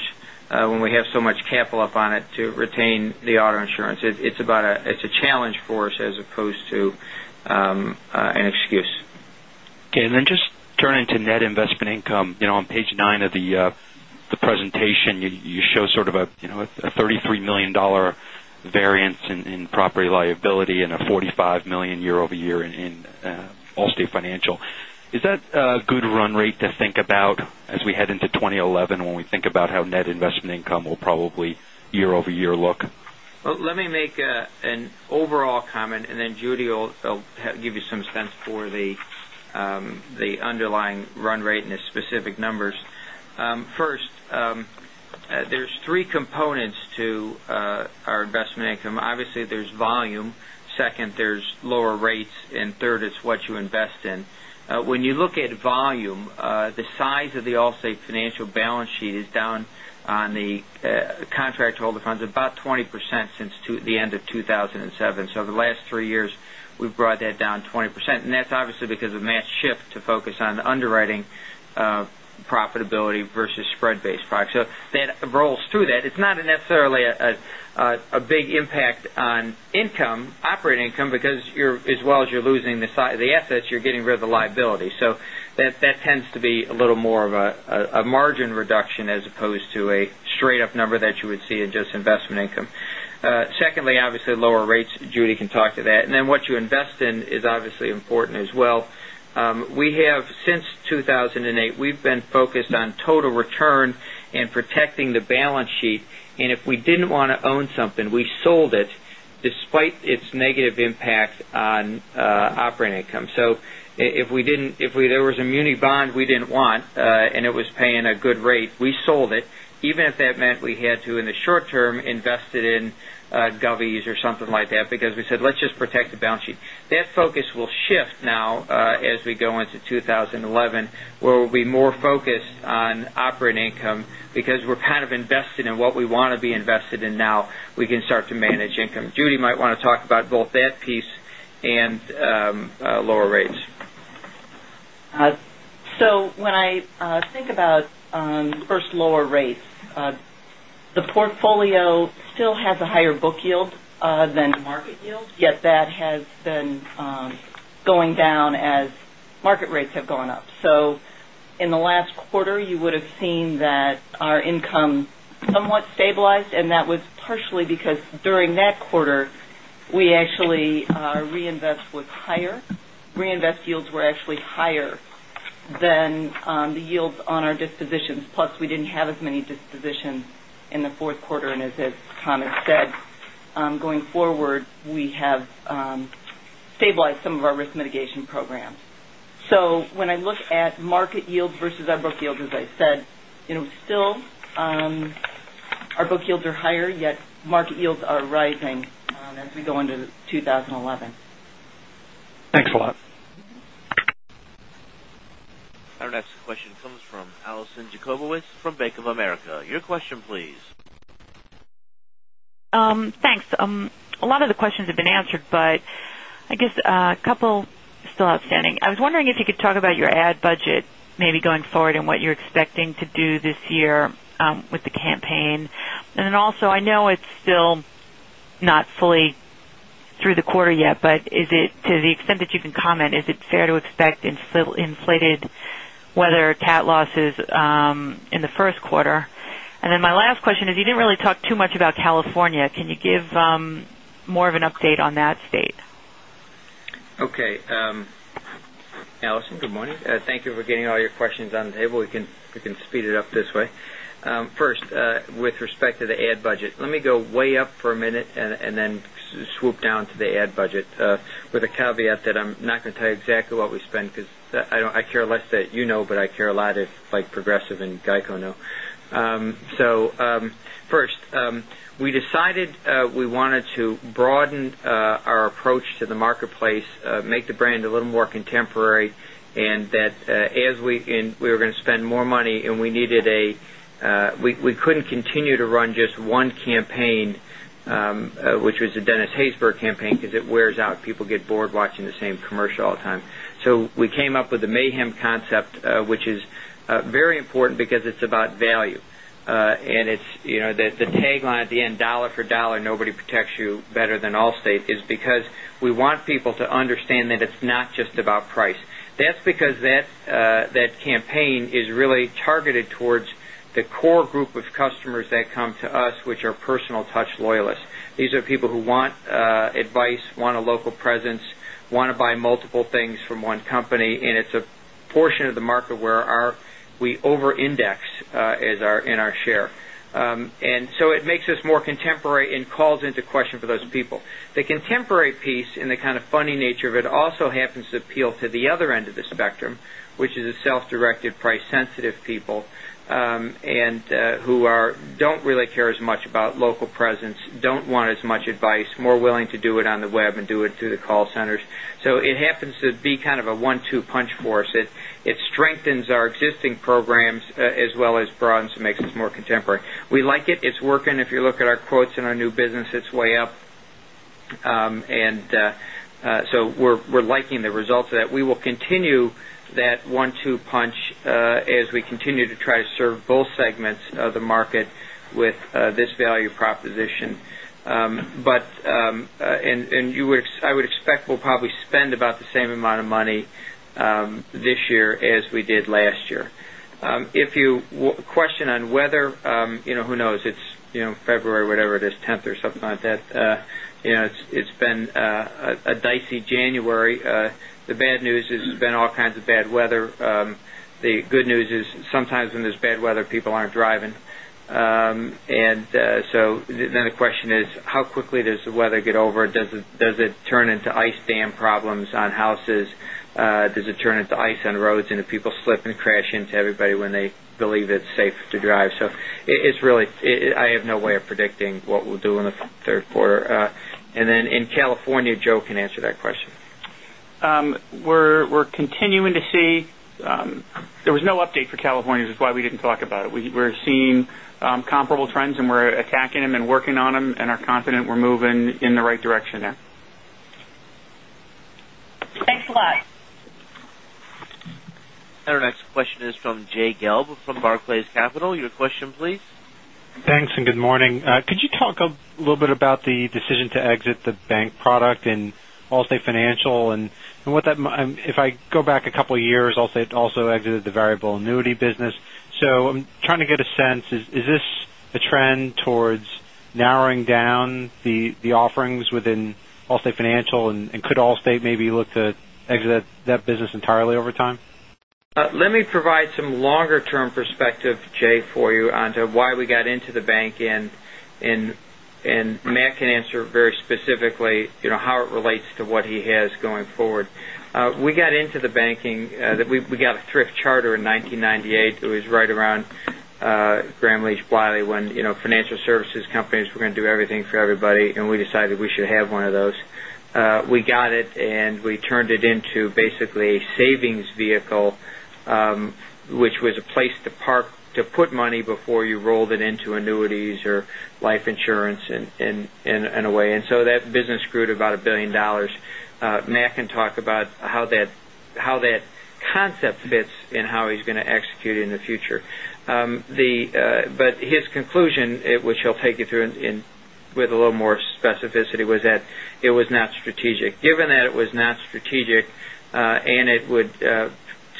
when we have so much capital up on it to retain the auto insurance. It's a challenge for us as opposed to an excuse. Okay, just turning to net investment income. On page nine of the presentation, you show sort of a $33 million variance in property liability and a $45 million year-over-year in Allstate Financial. Is that a good run rate to think about as we head into 2011 when we think about how net investment income will probably year-over-year look? Well, let me make an overall comment, Judy will give you some sense for the underlying run rate and the specific numbers. First, there's three components to our investment income. Obviously, there's volume, second, there's lower rates, and third, it's what you invest in. When you look at volume, the size of the Allstate Financial balance sheet is down on the contract holder funds about 20% since the end of 2007. The last three years we've brought that down 20%. That's obviously because of mass shift to focus on the underwriting profitability versus spread-based products. That rolls through that. It's not necessarily a big impact on operating income because as well as you're losing the size of the assets, you're getting rid of the liability. That tends to be a little more of a margin reduction as opposed to a straight up number that you would see in just investment income. Secondly, obviously, lower rates, Judy can talk to that. What you invest in is obviously important as well. Since 2008, we've been focused on total return and protecting the balance sheet. If we didn't want to own something, we sold it despite its negative impact on operating income. If there was a muni bond we didn't want, and it was paying a good rate, we sold it, even if that meant we had to, in the short term, invest it in govies or something like that because we said, "Let's just protect the balance sheet." That focus will shift now as we go into 2011, where we'll be more focused on operating income because we're kind of invested in what we want to be invested in now. We can start to manage income. Judy might want to talk about both that piece and lower rates. When I think about first lower rates, the portfolio still has a higher book yield than market yield, yet that has been going down as market rates have gone up. In the last quarter, you would have seen that our income somewhat stabilized, and that was partially because during that quarter, we actually reinvest was higher. Reinvest yields were actually higher than the yields on our dispositions. Plus, we didn't have as many dispositions in the fourth quarter. As Thomas said, going forward, we have stabilized some of our risk mitigation programs. When I look at market yields versus our book yields, as I said, still our book yields are higher, yet market yields are rising as we go into 2011. Thanks a lot. Our next question comes from Alison Jacobowitz from Bank of America. Your question, please. Thanks. A lot of the questions have been answered, but I guess a couple still outstanding. I was wondering if you could talk about your ad budget maybe going forward and what you're expecting to do this year with the campaign. Also, I know it's still not fully through the quarter yet, but to the extent that you can comment, is it fair to expect inflated weather cat losses in the first quarter? My last question is, you didn't really talk too much about California. Can you give more of an update on that state? Okay. Alina, good morning. Thank you for getting all your questions on the table. We can speed it up this way. With respect to the ad budget, let me go way up for a minute and then swoop down to the ad budget with a caveat that I'm not going to tell you exactly what we spend because I care less that you know, but I care a lot if Progressive and GEICO know. We decided we wanted to broaden our approach to the marketplace, make the brand a little more contemporary, and that we were going to spend more money, and we couldn't continue to run just one campaign which was the Dennis Haysbert campaign because it wears out. People get bored watching the same commercial all the time. We came up with the Mayhem concept which is very important because it's about value. The tagline at the end, "Dollar for dollar, nobody protects you better than Allstate," is because we want people to understand that it's not just about price. That's because that campaign is really targeted towards The core group of customers that come to us, which are personal touch loyalists. These are people who want advice, want a local presence, want to buy multiple things from one company, and it's a portion of the market where we over-index in our share. It makes us more contemporary and calls into question for those people. The contemporary piece, and the kind of funny nature of it, also happens to appeal to the other end of the spectrum, which is a self-directed, price-sensitive people, and who don't really care as much about local presence, don't want as much advice, more willing to do it on the web and do it through the call centers. It happens to be kind of a one-two punch for us. It strengthens our existing programs as well as broadens and makes us more contemporary. We like it. It's working. If you look at our quotes and our new business, it's way up. We're liking the results of that. We will continue that one-two punch as we continue to try to serve both segments of the market with this value proposition. I would expect we'll probably spend about the same amount of money this year as we did last year. A question on weather. Who knows? It's February, whatever it is, 10th or something like that. It's been a dicey January. The bad news is there's been all kinds of bad weather. The good news is sometimes when there's bad weather, people aren't driving. The question is, how quickly does the weather get over? Does it turn into ice dam problems on houses? Does it turn into ice on roads into people slip and crash into everybody when they believe it's safe to drive? I have no way of predicting what we'll do in the third quarter. In California, Joe can answer that question. There was no update for California, which is why we didn't talk about it. We're seeing comparable trends, we're attacking them and working on them, are confident we're moving in the right direction there. Thanks a lot. Our next question is from Jay Gelb from Barclays Capital. Your question, please. Thanks and good morning. Could you talk a little bit about the decision to exit the bank product in Allstate Financial and if I go back a couple of years, Allstate also exited the variable annuity business? I'm trying to get a sense, is this a trend towards narrowing down the offerings within Allstate Financial? Could Allstate maybe look to exit that business entirely over time? Let me provide some longer-term perspective, Jay, for you onto why we got into the banking, and Matt can answer very specifically how it relates to what he has going forward. We got into the banking, we got a thrift charter in 1998. It was right around Gramm-Leach-Bliley when financial services companies were going to do everything for everybody, and we decided we should have one of those. We got it, and we turned it into basically a savings vehicle, which was a place to put money before you rolled it into annuities or life insurance in a way. That business grew to about $1 billion. Matt can talk about how that concept fits and how he's going to execute it in the future. His conclusion, which he'll take you through with a little more specificity, was that it was not strategic. Given that it was not strategic, and it would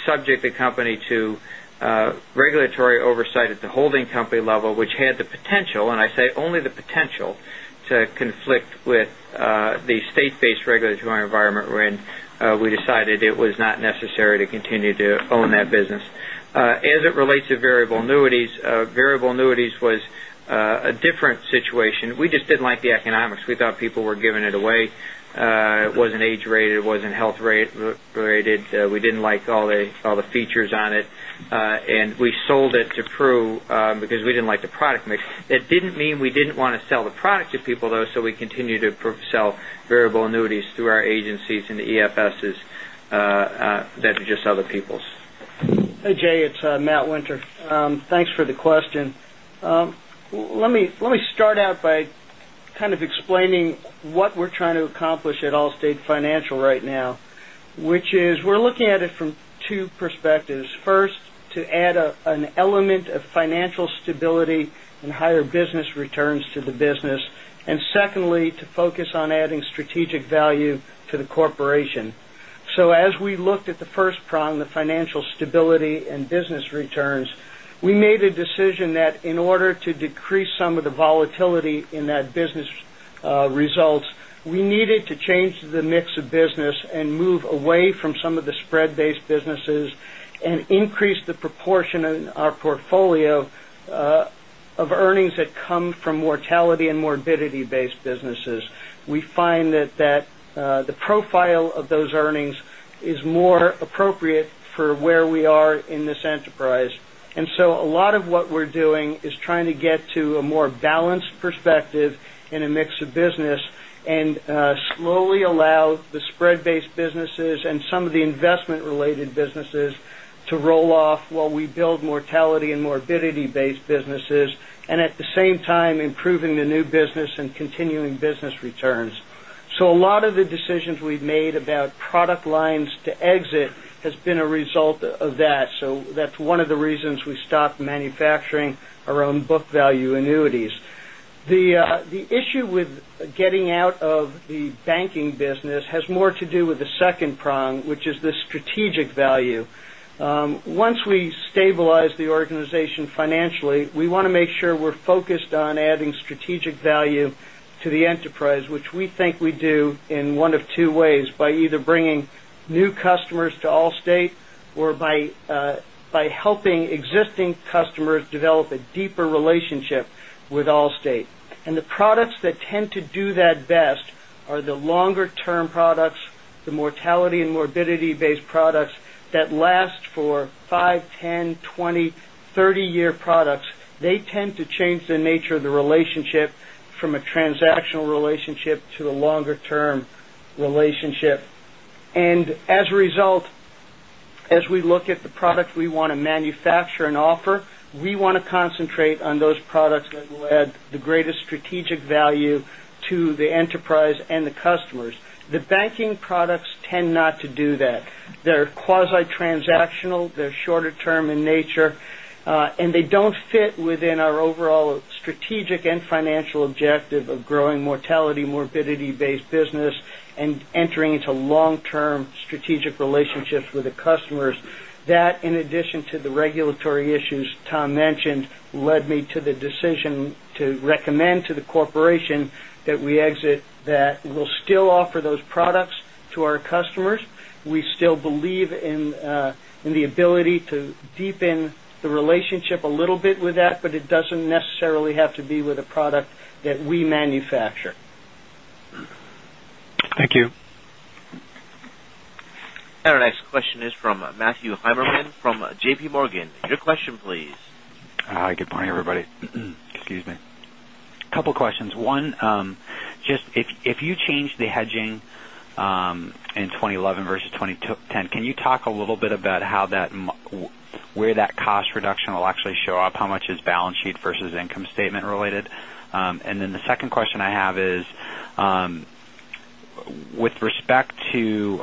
subject the company to regulatory oversight at the holding company level, which had the potential, and I say only the potential, to conflict with the state-based regulatory environment we're in, we decided it was not necessary to continue to own that business. As it relates to variable annuities, variable annuities was a different situation. We just didn't like the economics. We thought people were giving it away. It wasn't age-rated, it wasn't health-rated. We didn't like all the features on it. And we sold it to Pru because we didn't like the product mix. It didn't mean we didn't want to sell the product to people, though, so we continue to sell variable annuities through our agencies and the EFSs that are just other people's. Hey, Jay, it's Matt Winter. Thanks for the question. Let me start out by kind of explaining what we're trying to accomplish at Allstate Financial right now, which is we're looking at it from two perspectives. First, to add an element of financial stability and higher business returns to the business. Secondly, to focus on adding strategic value to the corporation. As we looked at the first prong, the financial stability and business returns, we made a decision that in order to decrease some of the volatility in that business results, we needed to change the mix of business and move away from some of the spread-based businesses and increase the proportion in our portfolio of earnings that come from mortality and morbidity-based businesses. We find that the profile of those earnings is more appropriate for where we are in this enterprise. A lot of what we're doing is trying to get to a more balanced perspective in a mix of business and slowly allow the spread-based businesses and some of the investment-related businesses to roll off while we build mortality and morbidity-based businesses, and at the same time, improving the new business and continuing business returns. A lot of the decisions we've made about product lines to exit has been a result of that. That's one of the reasons we stopped manufacturing our own book value annuities. The issue with getting out of the banking business has more to do with the second prong, which is the strategic value. Once we stabilize the organization financially, we want to make sure we're focused on adding strategic value to the enterprise, which we think we do in one of two ways, by either bringing new customers to Allstate or by helping existing customers develop a deeper relationship with Allstate. The products that tend to do that best are the longer-term products, the mortality and morbidity-based products that last for five, 10, 20, 30-year products. They tend to change the nature of the relationship from a transactional relationship to a longer-term relationship. As a result, as we look at the product we want to manufacture and offer, we want to concentrate on those products that will add the greatest strategic value to the enterprise and the customers. The banking products tend not to do that. They're quasi-transactional, they're shorter term in nature, and they don't fit within our overall strategic and financial objective of growing mortality, morbidity-based business and entering into long-term strategic relationships with the customers. That, in addition to the regulatory issues Tom mentioned, led me to the decision to recommend to the corporation that we exit, that we'll still offer those products to our customers. We still believe in the ability to deepen the relationship a little bit with that, but it doesn't necessarily have to be with a product that we manufacture. Thank you. Our next question is from Matthew Heimermann from J.P. Morgan. Your question please. Hi, good morning, everybody. Excuse me. Couple questions. One, if you change the hedging in 2011 versus 2010, can you talk a little bit about where that cost reduction will actually show up? How much is balance sheet versus income statement related? The second question I have is, with respect to,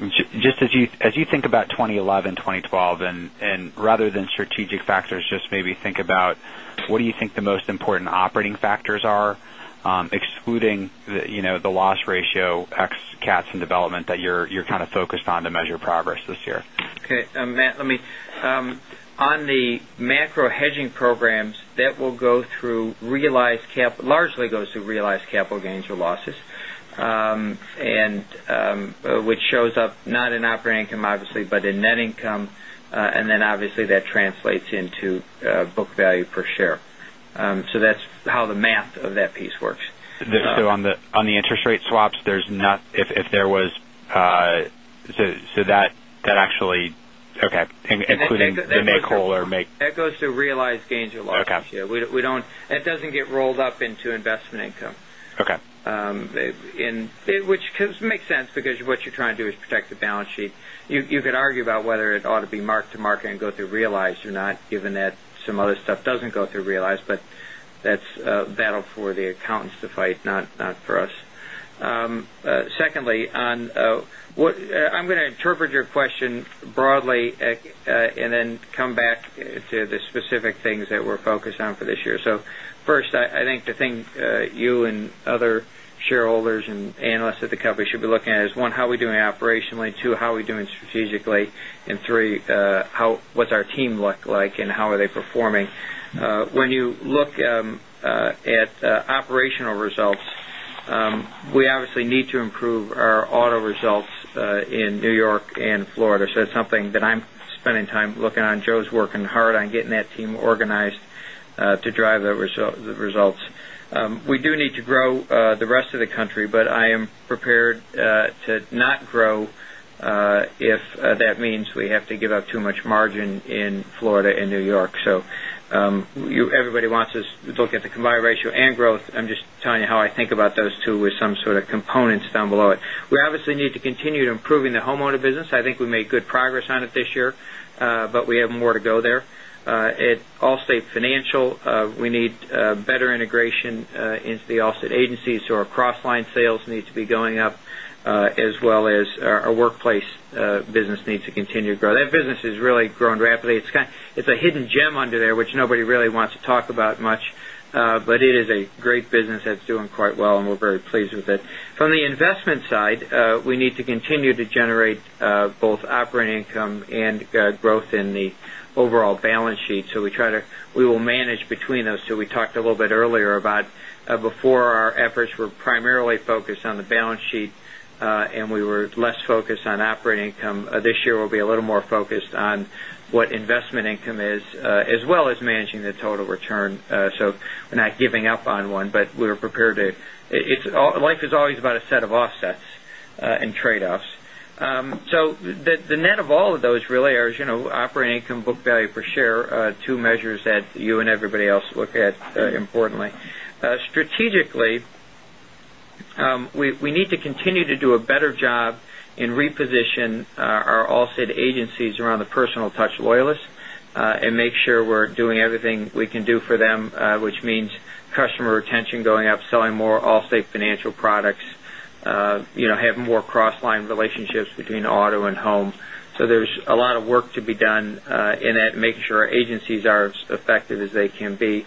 just as you think about 2011, 2012, rather than strategic factors, just maybe think about what do you think the most important operating factors are, excluding the loss ratio ex cats and development that you're kind of focused on to measure progress this year? Okay. Matt, on the macro hedging programs, that will largely go through realized capital gains or losses, which shows up not in operating income, obviously, but in net income. Obviously that translates into book value per share. That's how the math of that piece works. On the interest rate swaps, that actually, okay, including the make whole or make That goes to realized gains or losses. Okay. That doesn't get rolled up into investment income. Okay. Which makes sense, because what you're trying to do is protect the balance sheet. You could argue about whether it ought to be mark to market and go through realized or not, given that some other stuff doesn't go through realized, but that's a battle for the accountants to fight, not for us. Secondly, I'm going to interpret your question broadly and then come back to the specific things that we're focused on for this year. First, I think the thing you and other shareholders and analysts at the company should be looking at is, one, how are we doing operationally, two, how are we doing strategically, and three, what's our team look like and how are they performing? When you look at operational results, we obviously need to improve our auto results in New York and Florida. That's something that I'm spending time looking at. Joe's working hard on getting that team organized to drive the results. We do need to grow the rest of the country, but I am prepared to not grow if that means we have to give up too much margin in Florida and New York. Everybody wants us to look at the combined ratio and growth. I'm just telling you how I think about those two with some sort of components down below it. We obviously need to continue improving the homeowner business. I think we made good progress on it this year, but we have more to go there. At Allstate Financial, we need better integration into the Allstate agencies, our cross-line sales need to be going up, as well as our workplace business needs to continue to grow. That business has really grown rapidly. It's a hidden gem under there, which nobody really wants to talk about much. It is a great business that's doing quite well, and we're very pleased with it. From the investment side, we need to continue to generate both operating income and growth in the overall balance sheet. We will manage between those two. We talked a little bit earlier about before, our efforts were primarily focused on the balance sheet, and we were less focused on operating income. This year, we'll be a little more focused on what investment income is, as well as managing the total return. We're not giving up on one, but we're prepared to. Life is always about a set of offsets and trade-offs. The net of all of those really are operating income, book value per share, two measures that you and everybody else look at importantly. Strategically, we need to continue to do a better job and reposition our Allstate agencies around the personal touch loyalists and make sure we're doing everything we can do for them, which means customer retention going up, selling more Allstate Financial products Have more cross-line relationships between auto and home. There's a lot of work to be done in making sure our agencies are as effective as they can be.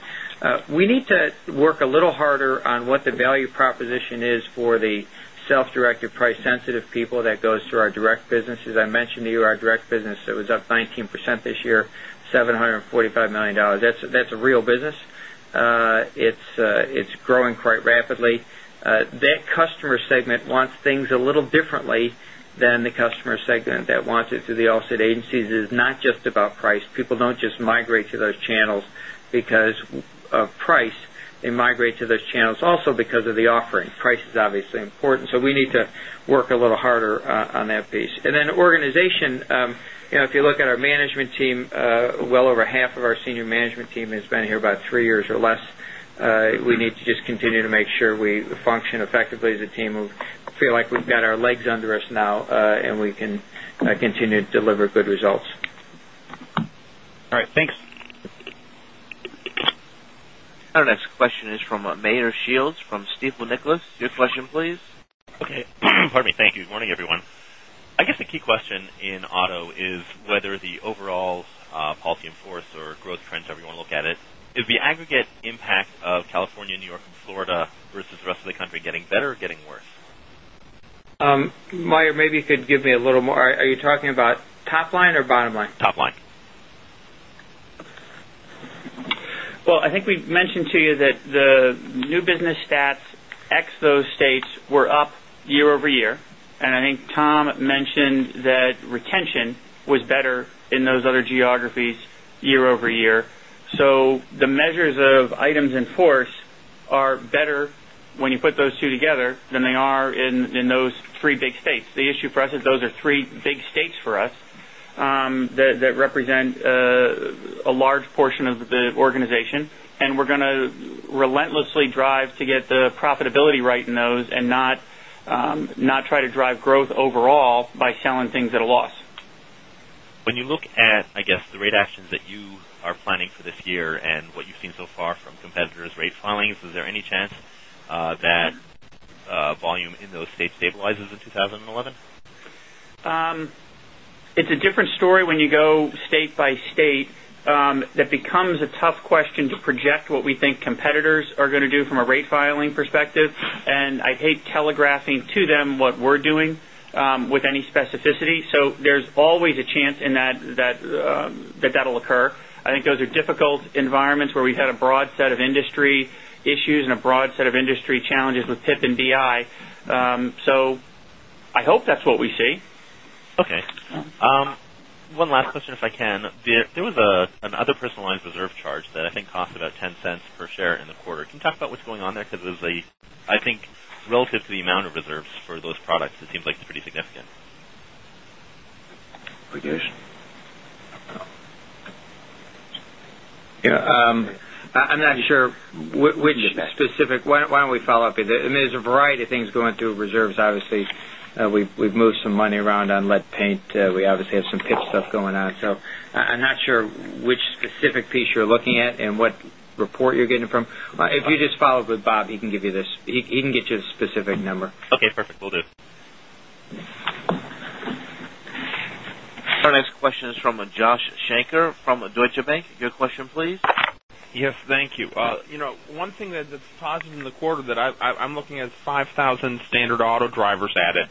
We need to work a little harder on what the value proposition is for the self-directed, price-sensitive people that go through our direct business. As I mentioned to you, our direct business was up 19% this year, $745 million. That's a real business. It's growing quite rapidly. That customer segment wants things a little differently than the customer segment that wants it through the offset agencies. It is not just about price. People don't just migrate to those channels because of price. They migrate to those channels also because of the offering. Price is obviously important, we need to work a little harder on that piece. Organization, if you look at our management team, well over half of our senior management team has been here about three years or less. We need to just continue to make sure we function effectively as a team. We feel like we've got our legs under us now, and we can continue to deliver good results. All right, thanks. Our next question is from Meyer Shields from Stifel Nicolaus. Your question, please. Okay. Pardon me. Thank you. Good morning, everyone. I guess the key question in auto is whether the overall policy in force or growth trends, however you want to look at it, is the aggregate impact of California, New York, and Florida versus the rest of the country getting better or getting worse? Meyer, maybe you could give me a little more. Are you talking about top line or bottom line? Top line. Well, I think we've mentioned to you that the new business stats, ex those states, were up year-over-year. I think Tom mentioned that retention was better in those other geographies year-over-year. The measures of items in force are better when you put those two together than they are in those three big states. The issue for us is those are three big states for us that represent a large portion of the organization, and we're going to relentlessly drive to get the profitability right in those and not try to drive growth overall by selling things at a loss. When you look at, I guess, the rate actions that you are planning for this year and what you've seen so far from competitors' rate filings, is there any chance that volume in those states stabilizes in 2011? It's a different story when you go state by state. That becomes a tough question to project what we think competitors are going to do from a rate filing perspective. I hate telegraphing to them what we're doing with any specificity. There's always a chance that that'll occur. I think those are difficult environments where we've had a broad set of industry issues and a broad set of industry challenges with PIP and BI. I hope that's what we see. Okay. One last question, if I can. There was another personal lines reserve charge that I think cost about $0.10 per share in the quarter. Can you talk about what's going on there? Because I think relative to the amount of reserves for those products, it seems pretty significant. Good question. Yeah. I'm not sure which specific. Why don't we follow up? There's a variety of things going through reserves. Obviously, we've moved some money around on lead paint. We obviously have some PIP stuff going on. I'm not sure which specific piece you're looking at and what report you're getting it from. If you just follow up with Bob, he can give you the specific number. Okay, perfect. Will do. Our next question is from Joshua Shanker from Deutsche Bank. Your question, please. Yes. Thank you. One thing that's positive in the quarter that I'm looking at is 5,000 standard auto drivers added.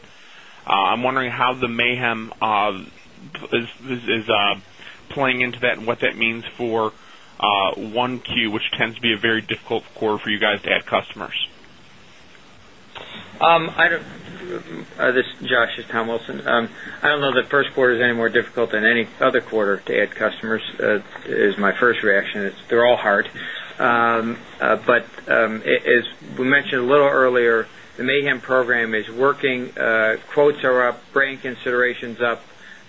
I'm wondering how the Mayhem is playing into that and what that means for 1Q, which tends to be a very difficult quarter for you guys to add customers. This is Josh. It's Tom Wilson. I don't know that the first quarter is any more difficult than any other quarter to add customers, is my first reaction. They're all hard. As we mentioned a little earlier, the Mayhem program is working. Quotes are up, brand consideration's up.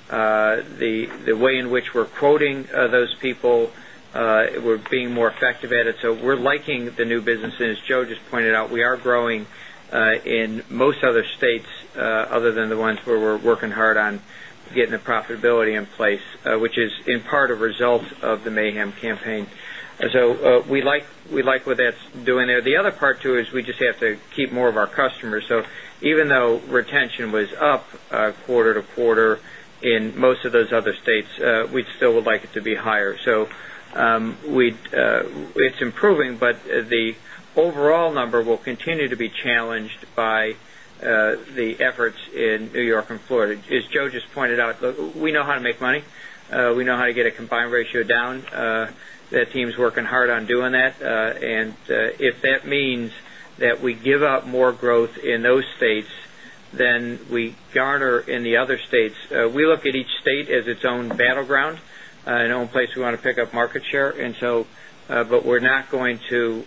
The way in which we're quoting those people, we're being more effective at it. We're liking the new business, and as Joe just pointed out, we are growing in most other states other than the ones where we're working hard on getting the profitability in place, which is in part a result of the Mayhem campaign. We like what that's doing there. The other part, too, is we just have to keep more of our customers. Even though retention was up quarter to quarter in most of those other states, we still would like it to be higher. It's improving, but the overall number will continue to be challenged by the efforts in New York and Florida. As Joe just pointed out, look, we know how to make money. We know how to get a combined ratio down. The team's working hard on doing that. If that means that we give up more growth in those states than we garner in the other states, we look at each state as its own battleground and own place we want to pick up market share, but we're not going to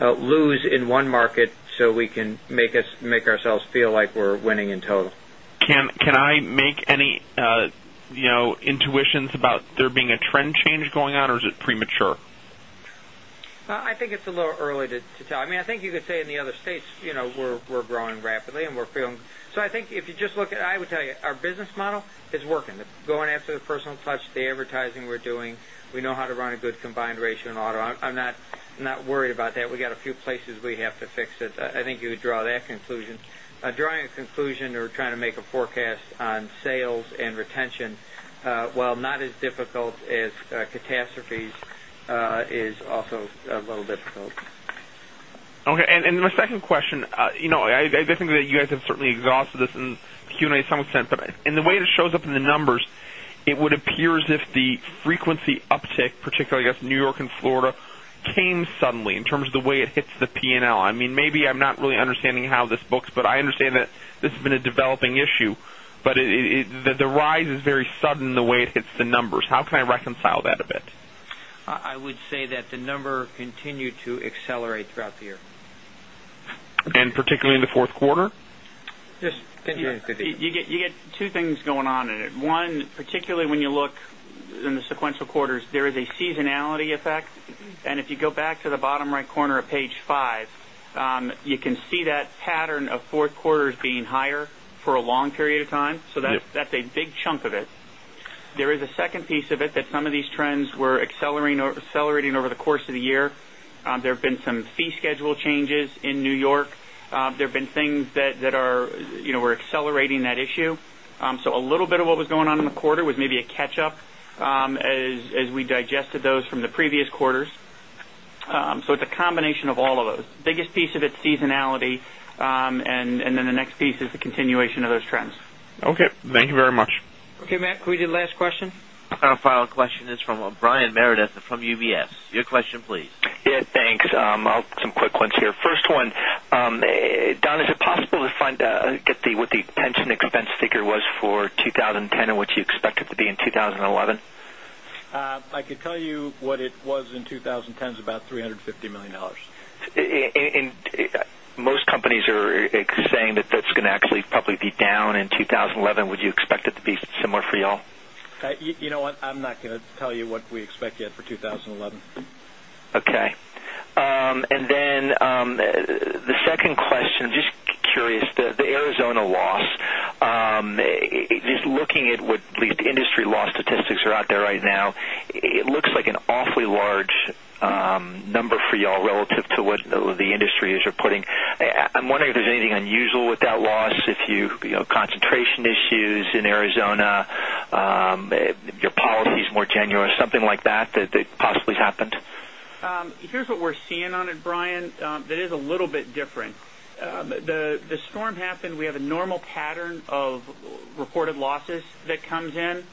lose in one market so we can make ourselves feel like we're winning in total. Can I make any intuitions about there being a trend change going on, or is it premature? I think it's a little early to tell. I think you could say in the other states, we're growing rapidly and we're feeling. I think if you just look at it, I would tell you our business model is working. Going after the personal touch, the advertising we're doing. We know how to run a good combined ratio in auto. I'm not worried about that. We got a few places we have to fix it. I think you would draw that conclusion. Drawing a conclusion or trying to make a forecast on sales and retention, while not as difficult as catastrophes, is also a little difficult. Okay. My second question, I think that you guys have certainly exhausted this in the Q&A to some extent, in the way it shows up in the numbers, it would appear as if the frequency uptick, particularly, I guess, New York and Florida, came suddenly in terms of the way it hits the P&L. Maybe I'm not really understanding how this books, I understand that this has been a developing issue, the rise is very sudden the way it hits the numbers. How can I reconcile that a bit? I would say that the number continued to accelerate throughout the year. Particularly in the fourth quarter? Yes. You get two things going on in it. One, particularly when you look in the sequential quarters, there is a seasonality effect. If you go back to the bottom right corner of page five, you can see that pattern of fourth quarters being higher for a long period of time. Yes. That's a big chunk of it. There is a second piece of it that some of these trends were accelerating over the course of the year. There have been some fee schedule changes in New York. There have been things that were accelerating that issue. A little bit of what was going on in the quarter was maybe a catch-up as we digested those from the previous quarters. It's a combination of all of those. Biggest piece of it is seasonality, and then the next piece is the continuation of those trends. Okay. Thank you very much. Okay, Matt, can we do the last question? Our final question is from Brian Meredith from UBS. Your question, please. Yeah, thanks. Some quick ones here. First one, Don, is it possible to get what the pension expense figure was for 2010 and what you expect it to be in 2011? I could tell you what it was in 2010 is about $350 million. Most companies are saying that that's going to actually probably be down in 2011. Would you expect it to be similar for you all? You know what, I'm not going to tell you what we expect yet for 2011. Okay. The second question, just curious, the Arizona loss. Just looking at what at least industry loss statistics are out there right now, it looks like an awfully large number for you all relative to what the industry is reporting. I'm wondering if there's anything unusual with that loss. Concentration issues in Arizona, your policy is more generous, something like that possibly happened. Here's what we're seeing on it, Brian. That is a little bit different. The storm happened, we have a normal pattern of reported losses that comes in,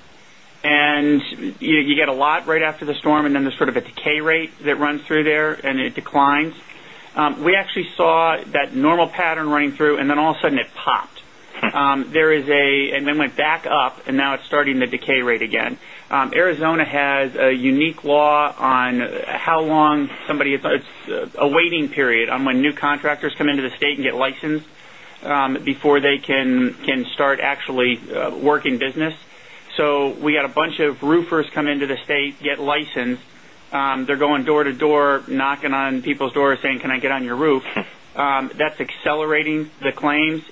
and you get a lot right after the storm, and then there's sort of a decay rate that runs through there, and it declines. We actually saw that normal pattern running through, then all of a sudden it popped. It went back up, and now it's starting the decay rate again. Arizona has a unique law on how long somebody, it's a waiting period on when new contractors come into the state and get licensed before they can start actually working business. We got a bunch of roofers come into the state, get licensed. They're going door to door, knocking on people's doors saying, "Can I get on your roof?" That's accelerating the claims.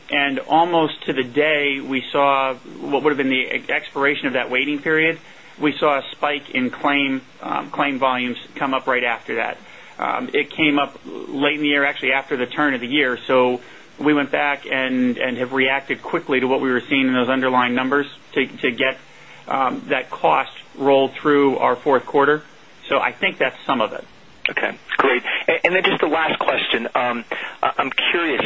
Almost to the day, we saw what would have been the expiration of that waiting period. We saw a spike in claim volumes come up right after that. It came up late in the year, actually after the turn of the year. We went back and have reacted quickly to what we were seeing in those underlying numbers to get that cost rolled through our fourth quarter. I think that's some of it. Okay, great. Just the last question. I'm curious.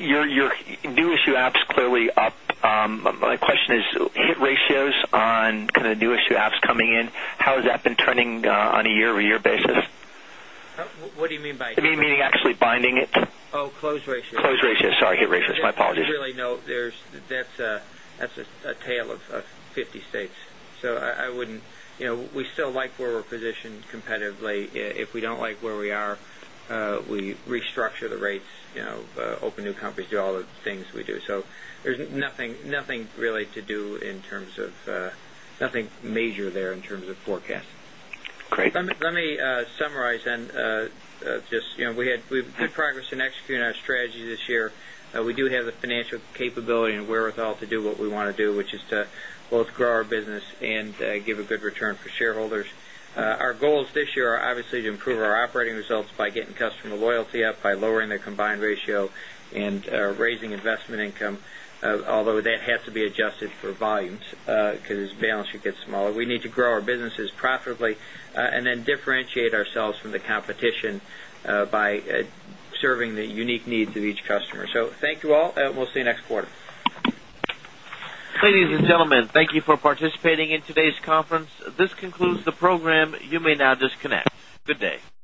Your new issue apps clearly up. My question is hit ratios on kind of new issue apps coming in. How has that been turning on a year-over-year basis? What do you mean by hit ratios? I mean actually binding it. close ratios. Close ratios. Sorry. Hit ratios. My apologies. There's really That's a tale of 50 states. We still like where we're positioned competitively. If we don't like where we are, we restructure the rates, open new companies, do all the things we do. There's nothing major there in terms of forecasting. Great. Let me summarize. We've made progress in executing our strategy this year. We do have the financial capability and wherewithal to do what we want to do, which is to both grow our business and give a good return for shareholders. Our goals this year are obviously to improve our operating results by getting customer loyalty up, by lowering the combined ratio, and raising investment income. Although that has to be adjusted for volumes because balance sheet gets smaller. We need to grow our businesses profitably and differentiate ourselves from the competition by serving the unique needs of each customer. Thank you all. We'll see you next quarter. Ladies and gentlemen, thank you for participating in today's conference. This concludes the program. You may now disconnect. Good day.